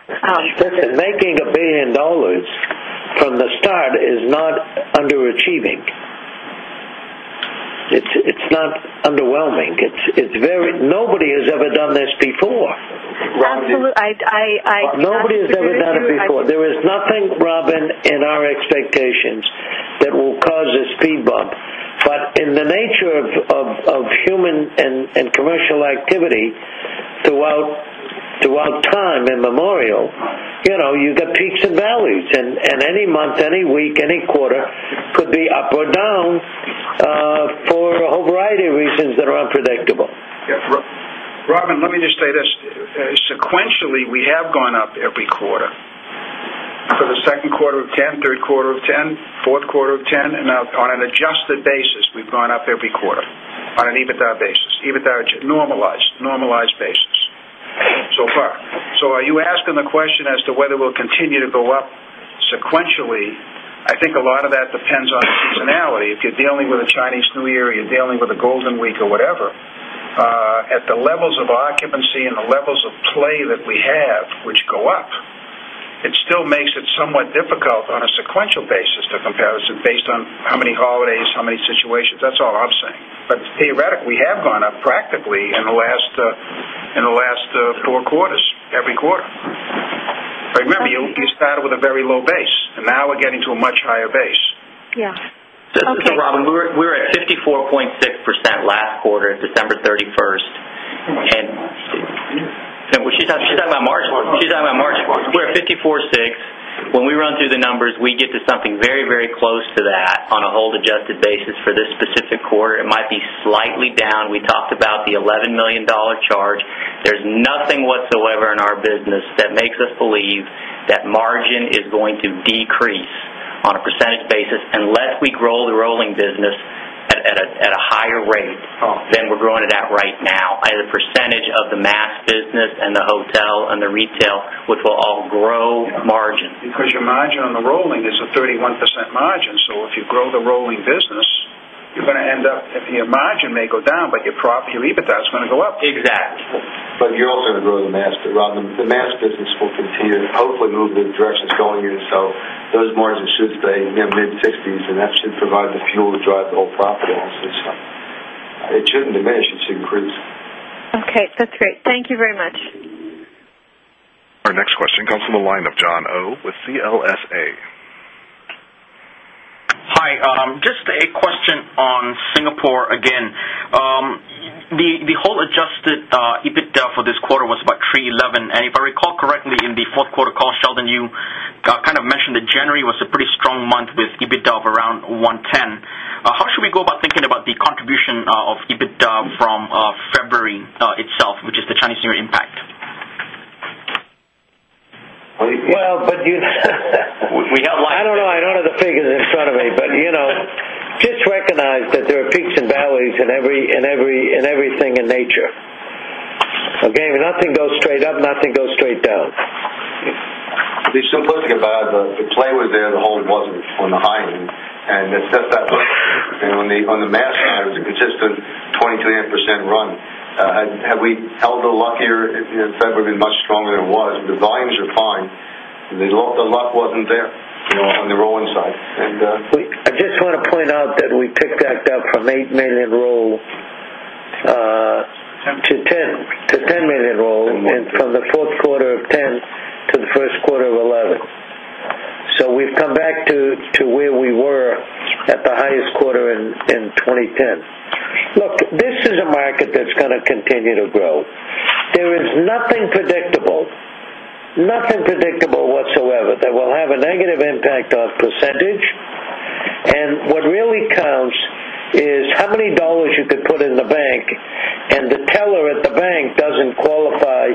for. Making a billion dollars from the start is not underachieving. It's not underwhelming. It's very, nobody has ever done this before. Well, absolutely. Nobody has ever done it before. There is nothing, Robin, in our expectations that will cause a speed bump. In the nature of human and commercial activity throughout time immemorial, you know, you get peaks and valleys. Any month, any week, any quarter could be up or down for a whole variety of reasons that are unpredictable. Yeah. Robin, let me just say this. Sequentially, we have gone up every quarter. For the second quarter of 2010, third quarter of 2010, fourth quarter of 2010, and now on an adjusted basis, we've gone up every quarter on an EBITDA basis, normalized basis so far. Are you asking the question as to whether we'll continue to go up sequentially? I think a lot of that depends on seasonality. If you're dealing with a Chinese New Year or you're dealing with a Golden Week or whatever, at the levels of occupancy and the levels of play that we have, which go up, it still makes it somewhat difficult on a sequential basis to compare us based on how many holidays, how many situations. That's all I'm saying. Theoretically, we have gone up practically in the last four quarters, every quarter. I remember you started with a very low base, and now we're getting to a much higher base. Yeah. Okay. Robin, we were at 54.6% last quarter, December 31. She's talking about March. She's talking about March. We're at 54.6%. When we run through the numbers, we get to something very, very close to that on a hold-adjusted basis for this specific quarter. It might be slightly down. We talked about the $11 million charge. There's nothing whatsoever in our business that makes us believe that margin is going to decrease on a percentage basis unless we grow the rolling business at a higher rate than we're growing it at right now as a percentage of the mass business and the hotel and the retail, which will all grow margin. Because your margin on the rolling is a 31% margin. If you grow the rolling business, you're going to end up, if your margin may go down, but your EBITDA is going to go up. Exactly. You are also going to grow the mass. The mass business will continue to hopefully move in the direction it's going in. Those margins should stay in the mid-60%, and that should provide the fuel to drive the whole property on its own itself. It shouldn't diminish. It should increase. Okay, that's great. Thank you very much. Our next question comes from the line of Jon Oh with CLSA. Hi. Just a question on Singapore again. The whole adjusted EBITDA for this quarter was about $311 million. If I recall correctly, in the fourth quarter call, Sheldon, you kind of mentioned that January was a pretty strong month with EBITDA of around $110 million. How should we go about thinking about the contribution of EBITDA from February itself, which is the Chinese New Year impact? I don't know. I don't have the figures in front of me, but you know just recognize that there are peaks and valleys in everything in nature. Nothing goes straight up. Nothing goes straight down. It's important to think about the play was there and the hold wasn't on the high end. That's that, that when the mass margins, it's just a 20%-30% run. Had we held the luck here if February had been much stronger than it was? The volumes were fine. The luck wasn't there, you know, on the rolling side. I just want to point out that we picked back up from $8 million roll to $10 million roll from the fourth quarter of 2010 to the first quarter of 2011. We've come back to where we were at the highest quarter in 2010. Look, this is a market that's going to continue to grow. There is nothing predictable, nothing predictable whatsoever that will have a negative impact on %. What really counts is how many dollars you could put in the bank, and the teller at the bank doesn't qualify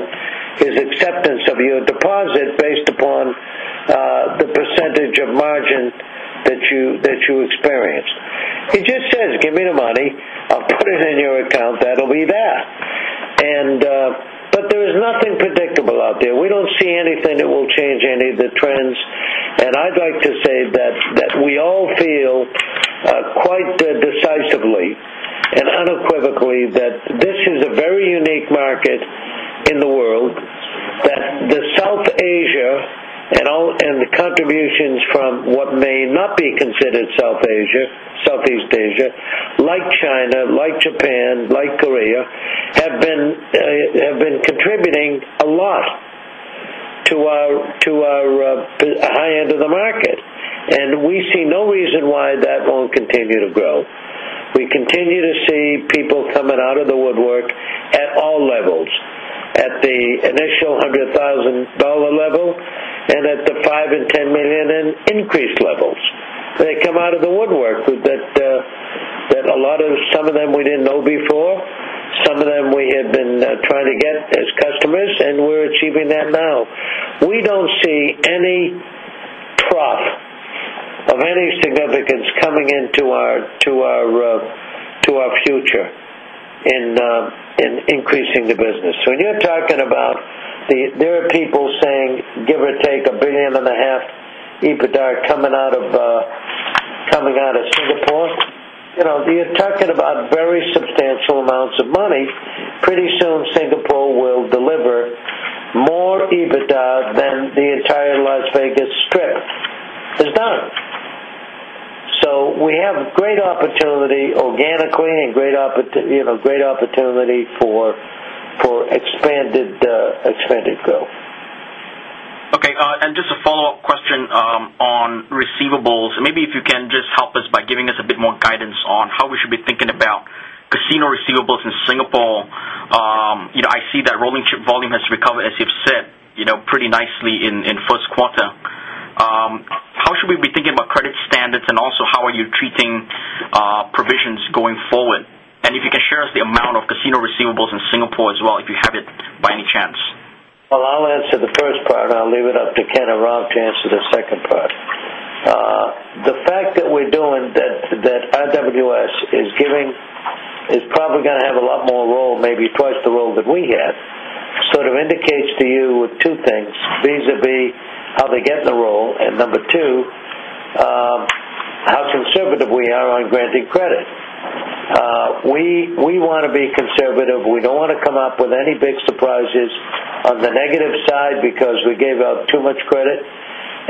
his acceptance of your deposit based upon the % of margin that you experienced. He just says, "Give me the money. I'll put it in your account. That'll be there." There is nothing predictable out there. We don't see anything that will change any of the trends. I'd like to say that we all feel, quite decisively and unequivocally, that this is a very unique market in the world. The South Asia and all and the contributions from what may not be considered Southeast Asia, like China, like Japan, like Korea, have been contributing a lot to our high end of the market. We see no reason why that won't continue to grow. We continue to see people coming out of the woodwork at all levels, at the initial $100,000 level and at the $5 million and $10 million increase levels. They come out of the woodwork, some of them we didn't know before. Some of them we had been trying to get as customers, and we're achieving that now. We don't see any crop of any significance coming into our future in increasing the business. When you're talking about there are people saying, give or take $1.5 billion EBITDA coming out of Singapore, you're talking about very substantial amounts of money. Pretty soon, Singapore will deliver more EBITDA than the entire Las Vegas Strip has done. We have great opportunity organically and great opportunity for expanded growth. Okay. Just a follow-up question on receivables. Maybe if you can just help us by giving us a bit more guidance on how we should be thinking about casino receivables in Singapore. I see that rolling chip volume has recovered, as you've said, pretty nicely in the first quarter. How should we be thinking about credit standards, and also how are you treating provisions going forward? If you can share the amount of casino receivables in Singapore as well, if you have it by any chance. I'll answer the first part. I'll leave it up to Ken and Rob to answer the second part. The fact that we're doing that RWS is giving, is probably going to have a lot more roll, maybe twice the roll that we had, sort of indicates to you two things, vis-à-vis how they get the roll. Number two, how conservative we are on granting credit. We want to be conservative. We don't want to come up with any big surprises on the negative side because we gave out too much credit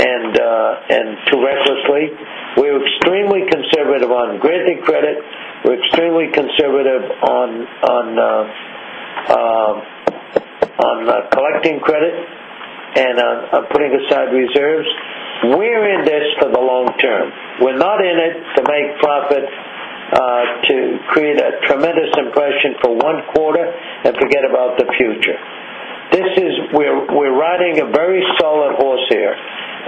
and too recklessly. We're extremely conservative on granting credit. We're extremely conservative on collecting credit and on putting aside reserves. We're in this for the long term. We're not in it to make profit, to create a tremendous impression for one quarter and forget about the future. This is where we're riding a very solid horse here,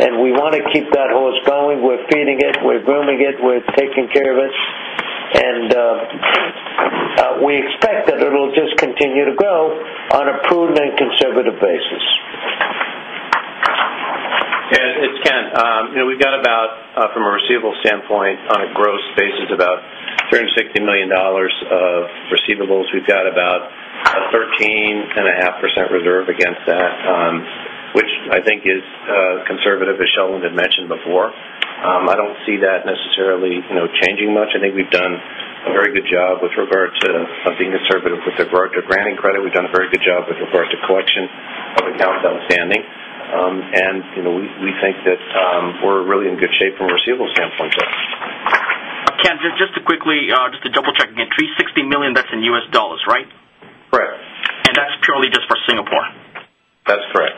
and we want to keep that horse going. We're feeding it. We're grooming it. We're taking care of it. We expect that it'll just continue to grow on a prudent and conservative basis. Yeah, it's Ken. We've got about, from a receivables standpoint, on a gross basis, about $360 million of receivables. We've got about a 13.5% reserve against that, which I think is conservative, as Sheldon had mentioned before. I don't see that necessarily changing much. I think we've done a very good job with regard to being conservative with regard to granting credit. We've done a very good job with regard to collection of accounts outstanding. We think that we're really in good shape from a receivables standpoint, though. Ken, just to double-check again, $360 million, that's in US dollars, right? Correct. That is purely just for Singapore. That's correct.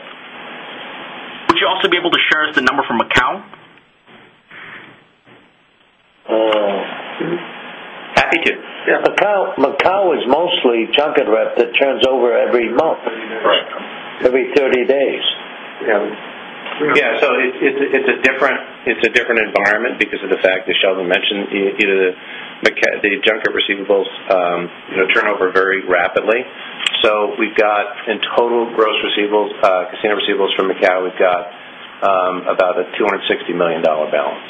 Would you also be able to share with us the number for Macau? Happy to. Yeah. Macau is mostly junket rep that turns over every month, every 30 days. Yeah. It's a different environment because of the fact, as Sheldon mentioned, the junket receivables turn over very rapidly. We've got, in total gross receivables, casino receivables from Macau, we've got about a $260 million balance.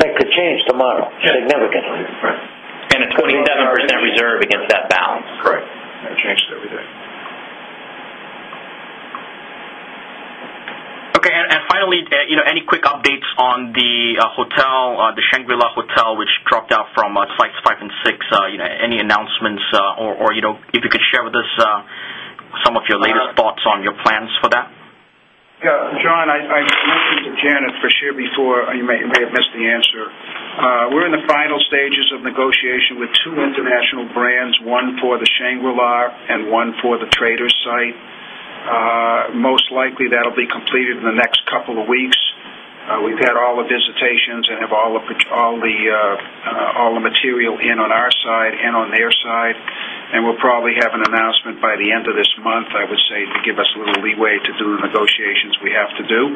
That could change tomorrow significantly. Is a 27% reserve against that balance. Correct. That'll change every day. Okay. Finally, any quick updates on the hotel, the Shangri-La Hotel, which dropped out from flights five and six? Any announcements? If you could share with us some of your latest thoughts on your plans for that. Yeah. John, I'm hoping to Janet for sure before. You may have missed the answer. We're in the final stages of negotiation with two international brands, one for the Shangri-La and one for the traders' site. Most likely, that'll be completed in the next couple of weeks. We've had all the visitations and have all the material in on our side and on their side. We'll probably have an announcement by the end of this month, I would say, to give us a little leeway to do the negotiations we have to do.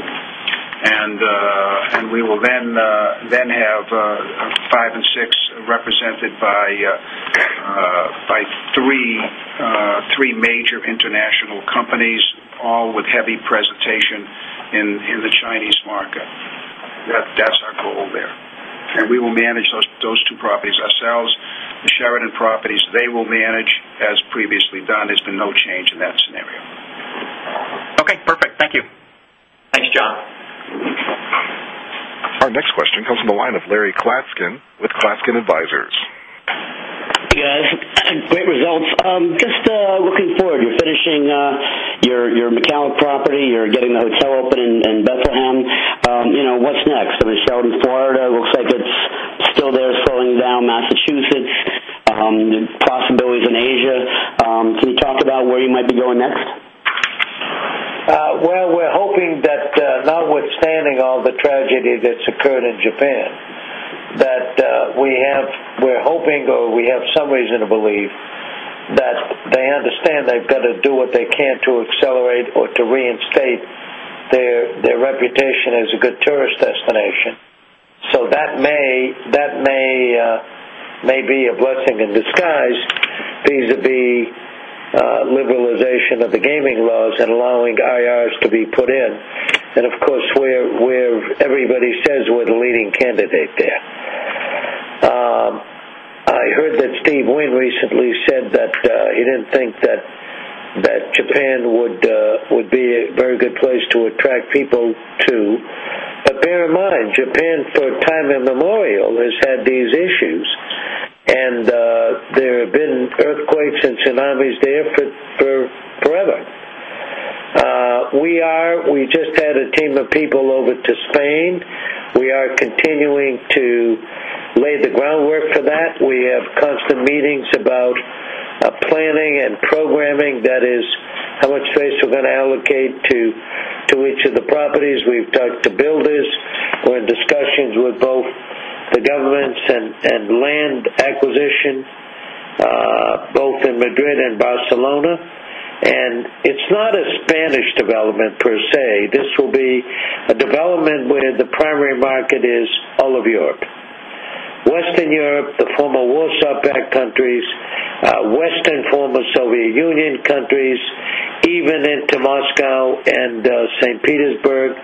We will then have five and six represented by three major international companies, all with heavy presentation in the Chinese market. That's our goal there. We will manage those two properties ourselves. The Sheraton properties, they will manage as previously done. There's been no change in that scenario. Okay. Perfect. Thank you. Thanks, John. Our next question comes from the line of Larry Klatzkin with Klatzkin Advisors. Yeah. Great results. Just looking forward. You're finishing your Macau property. You're getting a hotel open in Bethlehem. You know, what's next? Shelby, Florida, looks like it's still there, slowing down. Massachusetts, there's possibilities in Asia. Can you talk about where you might be going next? We're hoping that, notwithstanding all the tragedy that's occurred in Japan, we have some reason to believe that they understand they've got to do what they can to accelerate or to reinstate their reputation as a good tourist destination. That may be a blessing in disguise, vis-à-vis liberalization of the gaming laws and allowing IRs to be put in. Of course, everybody says we're the leading candidate there. I heard that Steve Wynn recently said that he didn't think that Japan would be a very good place to attract people to. Bear in mind, Japan, for time immemorial, has had these issues. There have been earthquakes and tsunamis there forever. We just had a team of people over to Spain. We are continuing to lay the groundwork for that. We have constant meetings about planning and programming. That is how much space we're going to allocate to each of the properties. We've talked to builders. We're in discussions with both the governments and land acquisition, both in Madrid and Barcelona. It's not a Spanish development per se. This will be a development where the primary market is all of Europe, Western Europe, the former Warsaw Pact countries, Western former Soviet Union countries, even into Moscow and St. Petersburg,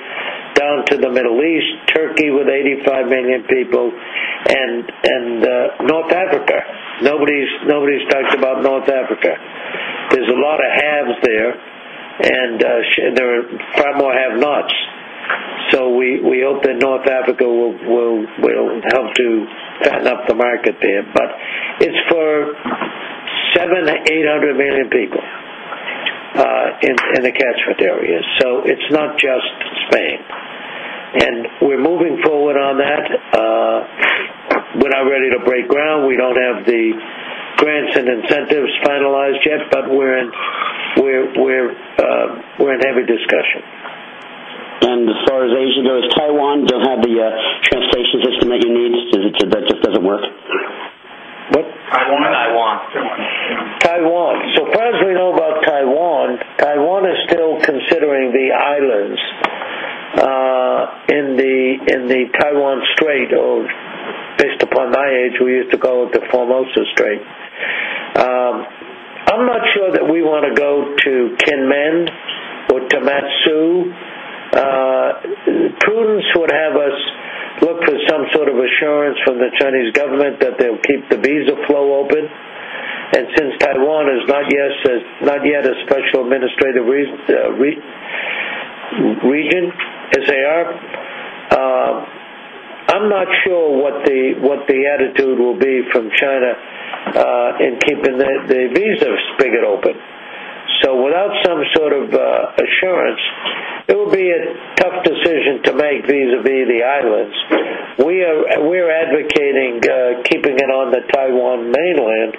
down to the Middle East, Turkey, with 85 million people, and North Africa. Nobody's talked about North Africa. There's a lot of haves there, and there are far more have-nots. We hope that North Africa will help to fatten up the market there. It's for 700-800 million people in the catchment area. It's not just Spain. We're moving forward on that. We're not ready to break ground. We don't have the grants and incentives finalized yet, but we're in heavy discussion. As far as Asia goes, Taiwan doesn't have the transportation system they need. That just doesn't work. What? Taiwan. Taiwan. As far as we know about Taiwan, Taiwan is still considering the islands in the Taiwan Strait. Based upon my age, we used to call it the Formosa Strait. I'm not sure that we want to go to Kinmen or Matsu. Prudence would have us look for some sort of assurance from the Chinese government that they'll keep the visa flow open. Since Taiwan is not yet a Special Administrative Region as they are, I'm not sure what the attitude will be from China in keeping their visas big and open. Without some sort of assurance, it will be a tough decision to make vis-à-vis the islands. We are advocating keeping it on the Taiwan mainland.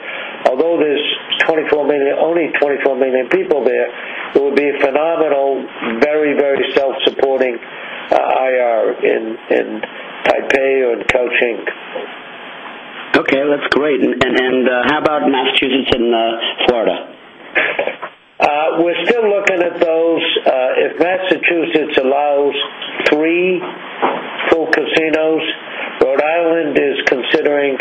Although there's only 24 million people there, it will be a phenomenal, very, very self-supporting IR in Beijing and Kaohsiung. Okay. That's great. How about Massachusetts and Florida? We're still looking at those. If Massachusetts allows three full casinos, Rhode Island is considering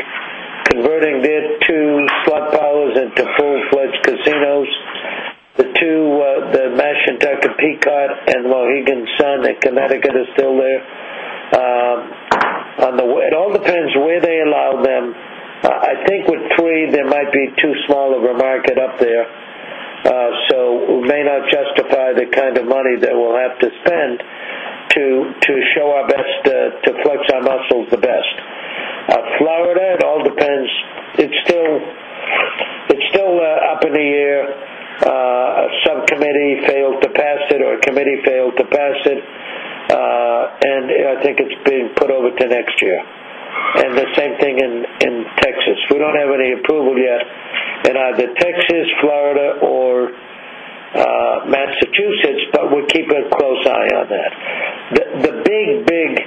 converting their two flop bowls into full-fledged casinos. The two, the Mashantucket Pequot and Mohegan Sun at Connecticut, are still there. It all depends where they allow them. I think with three, there might be too small of a market up there. We may not justify the kind of money that we'll have to spend to show our best, to flex our muscles the best. Florida, it all depends. It's still up in the air. Some committee. Failed to pass it, or a committee failed to pass it. I think it's being put over to next year. The same thing in Texas. We don't have any approval yet in either Texas, Florida, or Massachusetts, but we're keeping a close eye on that. The big, big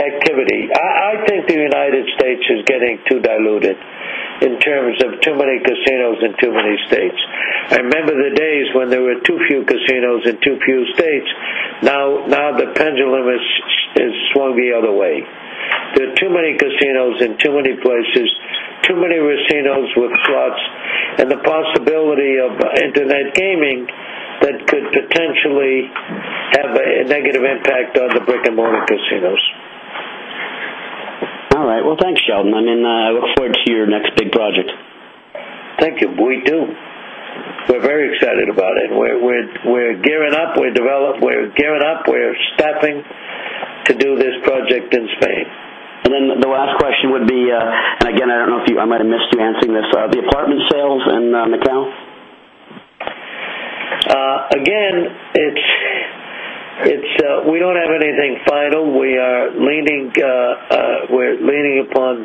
activity, I think the United States is getting too diluted in terms of too many casinos in too many states. I remember the days when there were too few casinos in too few states. Now the pendulum has swung the other way. There are too many casinos in too many places, too many casinos with slots, and the possibility of internet gaming that could potentially have a negative impact on the brick-and-mortar casinos. All right. Thanks, Sheldon. I mean, I look forward to your next big project. Thank you. We're very excited about it. We're gearing up. We're staffing to do this project in Spain. The last question would be, I don't know if I might have missed you answering this, the apartment sales in Macau? Again, we don't have anything final. We are leaning upon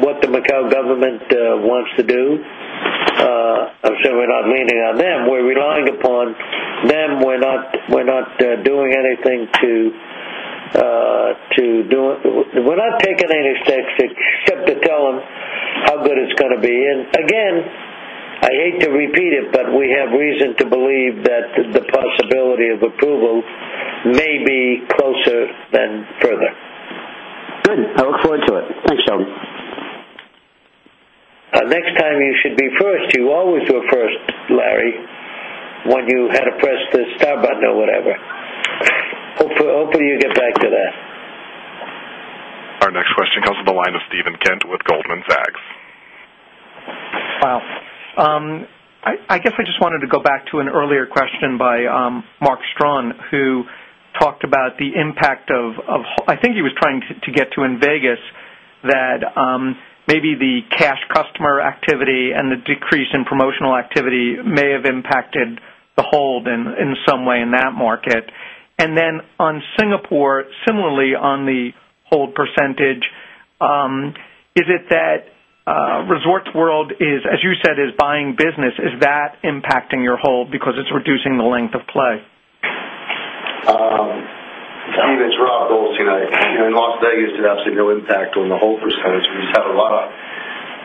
what the Macau government wants to do. I'm sure we're not leaning on them. We're relying upon them. We're not doing anything to do it. We're not taking any steps except to tell them how good it's going to be. I hate to repeat it, but we have reason to believe that the possibility of approval may be closer than further. Good. I look forward to it. Thanks, Sheldon. Next time, you should be first. You always were first, Larry, when you had to press the star button or whatever. Hopefully, you get back to that. Our next question comes from the line of Steven Kent with Goldman Sachs. Wow. I guess I just wanted to go back to an earlier question by Mark Strawn, who talked about the impact of, I think he was trying to get to in Las Vegas, that maybe the cash customer activity and the decrease in promotional activity may have impacted the hold in some way in that market. On Singapore, similarly on the hold percentage, is it that Resorts World is, as you said, is buying business? Is that impacting your hold because it's reducing the length of play? I mean, it's relative. In Las Vegas, it has absolutely no impact on the hold percentage. We just have a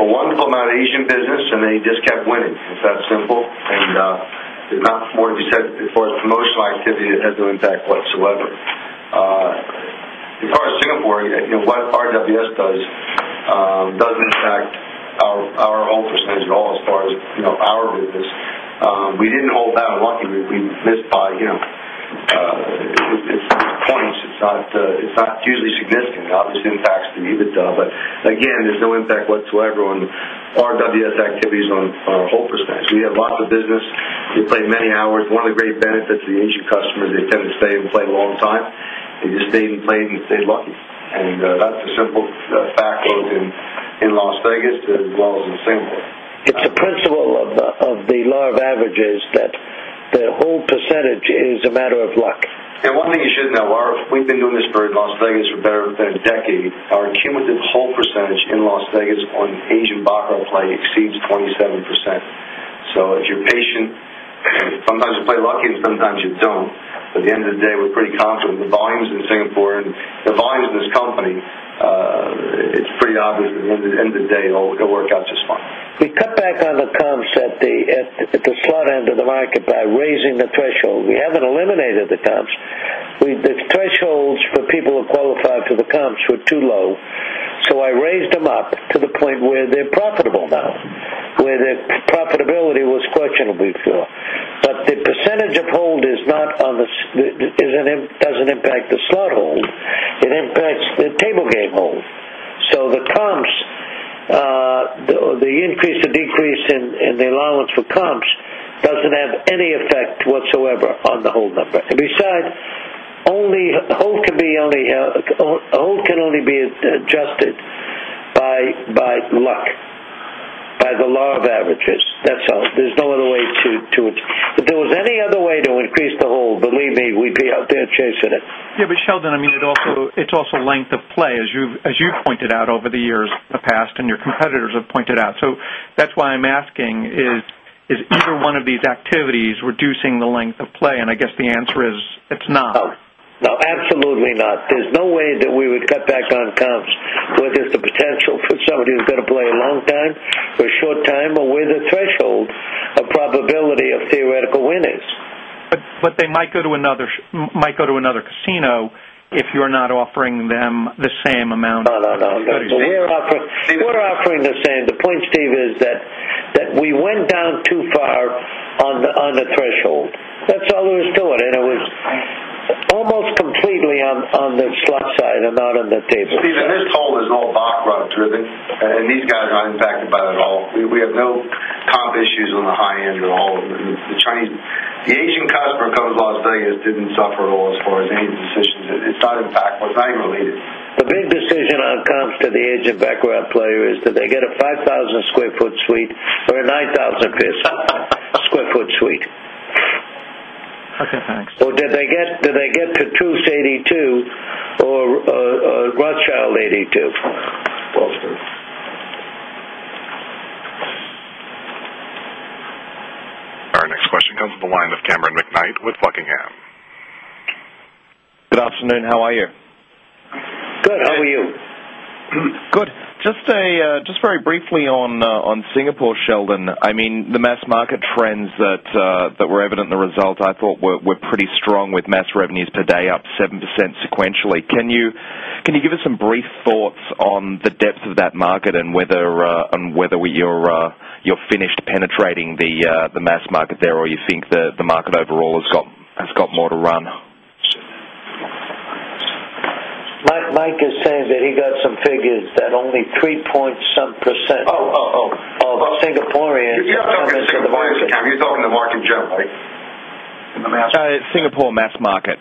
wonderful amount of Asian business, and they just kept winning. It's that simple. They're not, more than you said before, the promotional activity had no impact whatsoever. As far as Singapore, what RWS does doesn't impact our hold percentage at all as far as our business. We didn't hold that on locking. We missed by 20%. It's not hugely significant. It obviously impacts the EBITDA. Again, there's no impact whatsoever on RWS activities on hold percentage. You have lots of business. They play many hours. One of the great benefits of the Asian customers, they tend to stay and play a long time. They just stayed and played and stayed lucky. That's the simple fact in Las Vegas as well as in Singapore. It's the principle of the law of averages that the hold percentage is a matter of luck. One thing you should know is, we've been doing this for Las Vegas for better than a decade. Our cumulative hold percentage in Las Vegas on Asian bottom of play exceeds 27%. If you're patient, and sometimes you play lucky, and sometimes you don't, at the end of the day, we're pretty confident. The volumes in Singapore and the volumes in this company, it's pretty obvious at the end of the day, it'll work out just fine. We cut back on the comps at the slot end of the market by raising the threshold. We haven't eliminated the comps. The thresholds for people who qualify for the comps were too low. I raised them up to the point where they're profitable now, where their profitability was questionable before. The percentage of hold is not on the, it doesn't impact the slot hold. It impacts the table game hold. The comps, the increase or decrease in the allowance for comps, doesn't have any effect whatsoever on the hold number. Besides, hold can only be adjusted by the law of averages. That's all. There's no other way to, if there was any other way to increase the hold, believe me, we'd be out there chasing it. Yeah, Sheldon, I mean, it's also length of play, as you've pointed out over the years in the past and your competitors have pointed out. That's why I'm asking, is either one of these activities reducing the length of play? I guess the answer is it's not. No, absolutely not. There's no way that we would cut back on comps whether there's the potential for somebody who's going to play a long time, for a short time, or where the threshold of probability of theoretical win is. They might go to another casino if you're not offering them the same amount of. No, no, no. We're offering the same. The point, Steve, is that we went down too far on the threshold. That's all it was doing. It was almost completely on the slot side and not on the table. Steve, and this hold is all dock driven, and these guys aren't impacted by it at all. We have no comp issues on the high end at all. The Asian customer coming to Las Vegas didn't suffer at all as far as any decisions. It's not impactful. It's not even related. The big decision on comps to the Asian background player is, did they get a 5,000 sq ft suite or a 9,000 sq ft suite? Okay, thanks. Or did they get the 282 or Grant Chum 82? Our next question comes from the line of Cameron McKnight with Buckingham. Good afternoon. How are you? Good. How are you? Good. Just very briefly on Singapore, Sheldon. I mean, the mass market trends that were evident in the result, I thought, were pretty strong with mass revenues per day up 7% sequentially. Can you give us some brief thoughts on the depth of that market and whether you're finished penetrating the mass market there, or you think that the market overall has got more to run? Mike is saying that he got some figures at only 3.0%. Oh. Oh, Singaporeans. You're talking about Singaporean income. You're talking the market in general, right? No, Singapore mass market.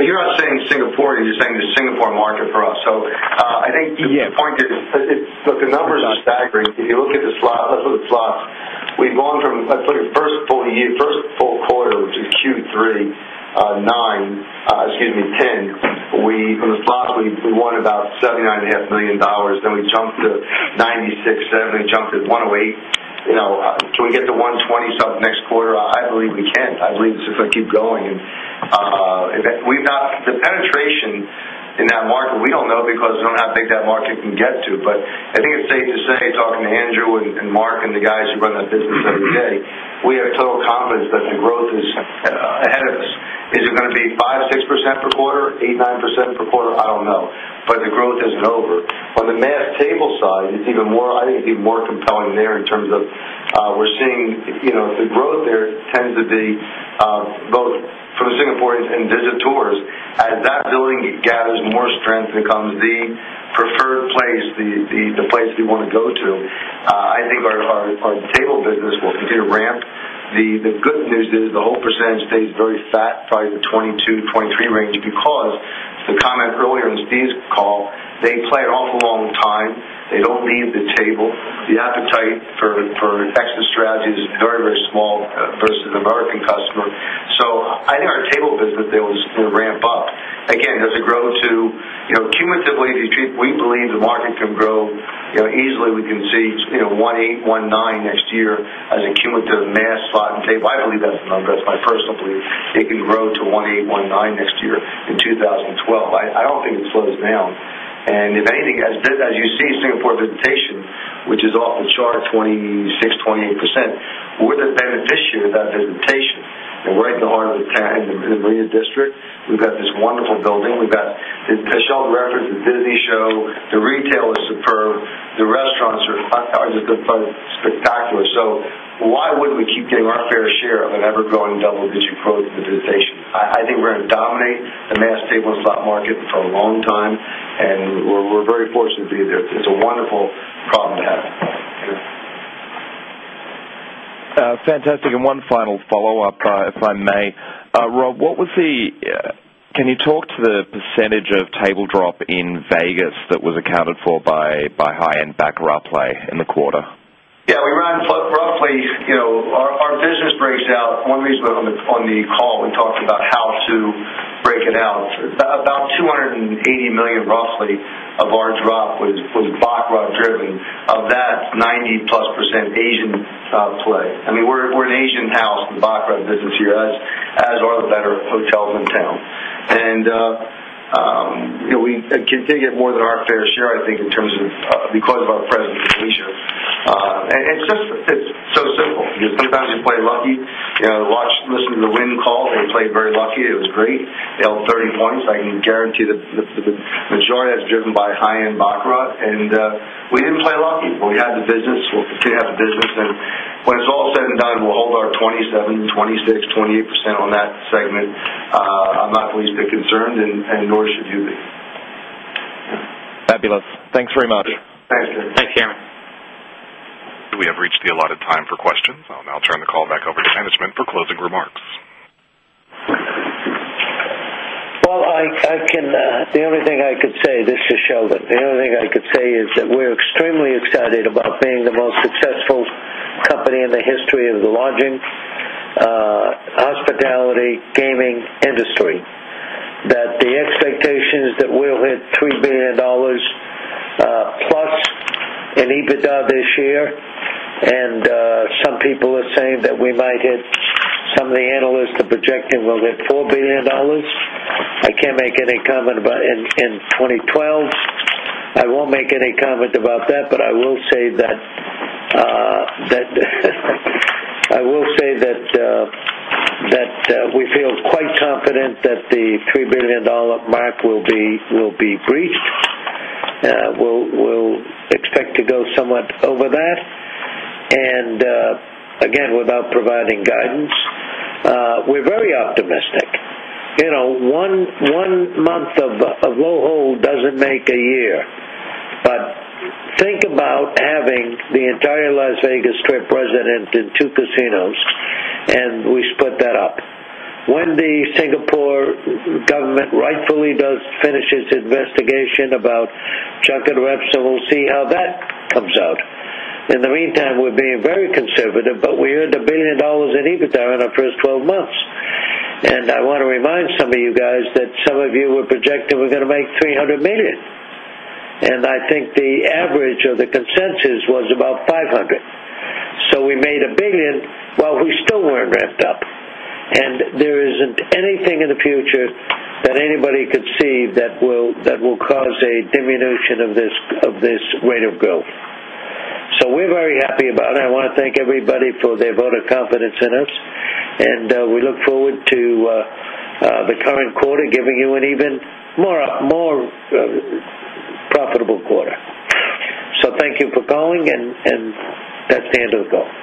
You're not saying Singaporean. You're saying the Singapore market for us. I think, yeah, the point is, look, the numbers aren't staggering. If you look at the slot, we've gone from, let's look at the first quarter, the year first quarter, which was Q3 2009, excuse me, 2010. From the slot, we won about $79.5 million. Then we jumped to $96.7 million. We jumped to $108 million. You know, can we get to $120 million next quarter? I believe we can. I believe it's just going to keep going. We've got the penetration in that market. We don't know because we don't have a big debt market we can get to. I think it's safe to say, talking to Andrew and Mark and the guys who run that business every day, we have total confidence that the growth is ahead of us. Is it going to be 5%-6% per quarter, 8%, 9% per quarter? I don't know. The growth isn't over. On the net table side, it's even more, I think it's even more compelling there in terms of, we're seeing the growth there tends to be, both from the Singaporeans and visitors, as that building gathers more strength and becomes the preferred place, the place we want to go to. I think our table business will continue to ramp. The good news is the hold percentage stays very fat, probably in the 22%-23% range because, to comment earlier on Steve's call, they play an awful long time. They don't leave the table. The appetite for extra strategies is very, very small versus the American customer. I think our table business will ramp up. Again, that's a growth to cumulatively these people. We believe the market can grow easily. We can see $180 million, $190 million next year as a cumulative mass slot on the table. I don't believe that's the number. That's my personal belief. It can grow to $180 million, $190 million next year in 2012. I don't think it slows down. If anything, as you see Singapore visitation, which is off the chart, 26%, 28%, we're the beneficiary of that visitation. We're at the heart of the town and the Marina District. We've got this wonderful building. We've got the Chanel River, the Disney Show. The retail is superb. The restaurants are just spectacular. Why wouldn't we keep getting our fair share of ever-growing double-digit growth in the visitation? I think we're going to dominate the mass table and slot market for a long time. We're very fortunate to be there. It's a wonderful problem to have. Fantastic. One final follow-up, if I may. Rob, what was the, can you talk to the percentage of table drop in Las Vegas that was accounted for by high-end background play in the quarter? Yeah, we ran roughly, you know, our business breaks out. One reason on the call, we talked about how to break it out. About $280 million, roughly, of our drop was from Baccarat driven of that 90+% Asian style play. I mean, we're an Asian town in Baccarat business here, as are the better hotels in town. You know, we continue to get more than our fair share, I think, in terms of, because of our presence in Asia. It's just, it's so simple. Sometimes you play lucky. You know, a lot listen to the Win call. They played very lucky. It was great. They held 30%. I can guarantee that the majority is driven by high-end Baccarat. We didn't play lucky, but we had the business. We'll continue to have the business. When it's all said and done, we'll hold our 27%, 26%, 28% on that segment. I'm not really a bit concerned, and nor should you be. Fabulous. Thanks very much. Thank you.. Thanks, Cameron. We have reached the allotted time for questions. I'll now turn the call back over to Sheldon G. Adelson for closing remarks. I can, the only thing I could say, this is Sheldon. The only thing I could say is that we're extremely excited about being the most successful company in the history of the lodging, hospitality, gaming industry. The expectation is that we'll hit $3 billion plus in EBITDA this year. Some people are saying that we might hit, some of the analysts are projecting we'll hit $4 billion. I can't make any comment about in 2012. I won't make any comment about that, but I will say that we feel quite confident that the $3 billion mark will be breached. We'll expect to go somewhat over that. Again, without providing guidance, we're very optimistic. You know, one month of low hold doesn't make a year. Think about having the entire Las Vegas Strip resident in two casinos, and we split that up. When the Singapore government rightfully does finish its investigation about Jack and the Rabbit, we'll see how that comes out. In the meantime, we're being very conservative, but we earned $1 billion in EBITDA in our first 12 months. I want to remind some of you guys that some of you were projecting we're going to make $300 million. I think the average or the consensus was about $500 million. We made $1 billion. We still weren't ramped up. There isn't anything in the future that anybody could see that will cause a diminution of this rate of growth. We're very happy about it. I want to thank everybody for their vote of confidence in us. We look forward to the current quarter giving you an even more profitable quarter. Thank you for calling, and that's the end of the call.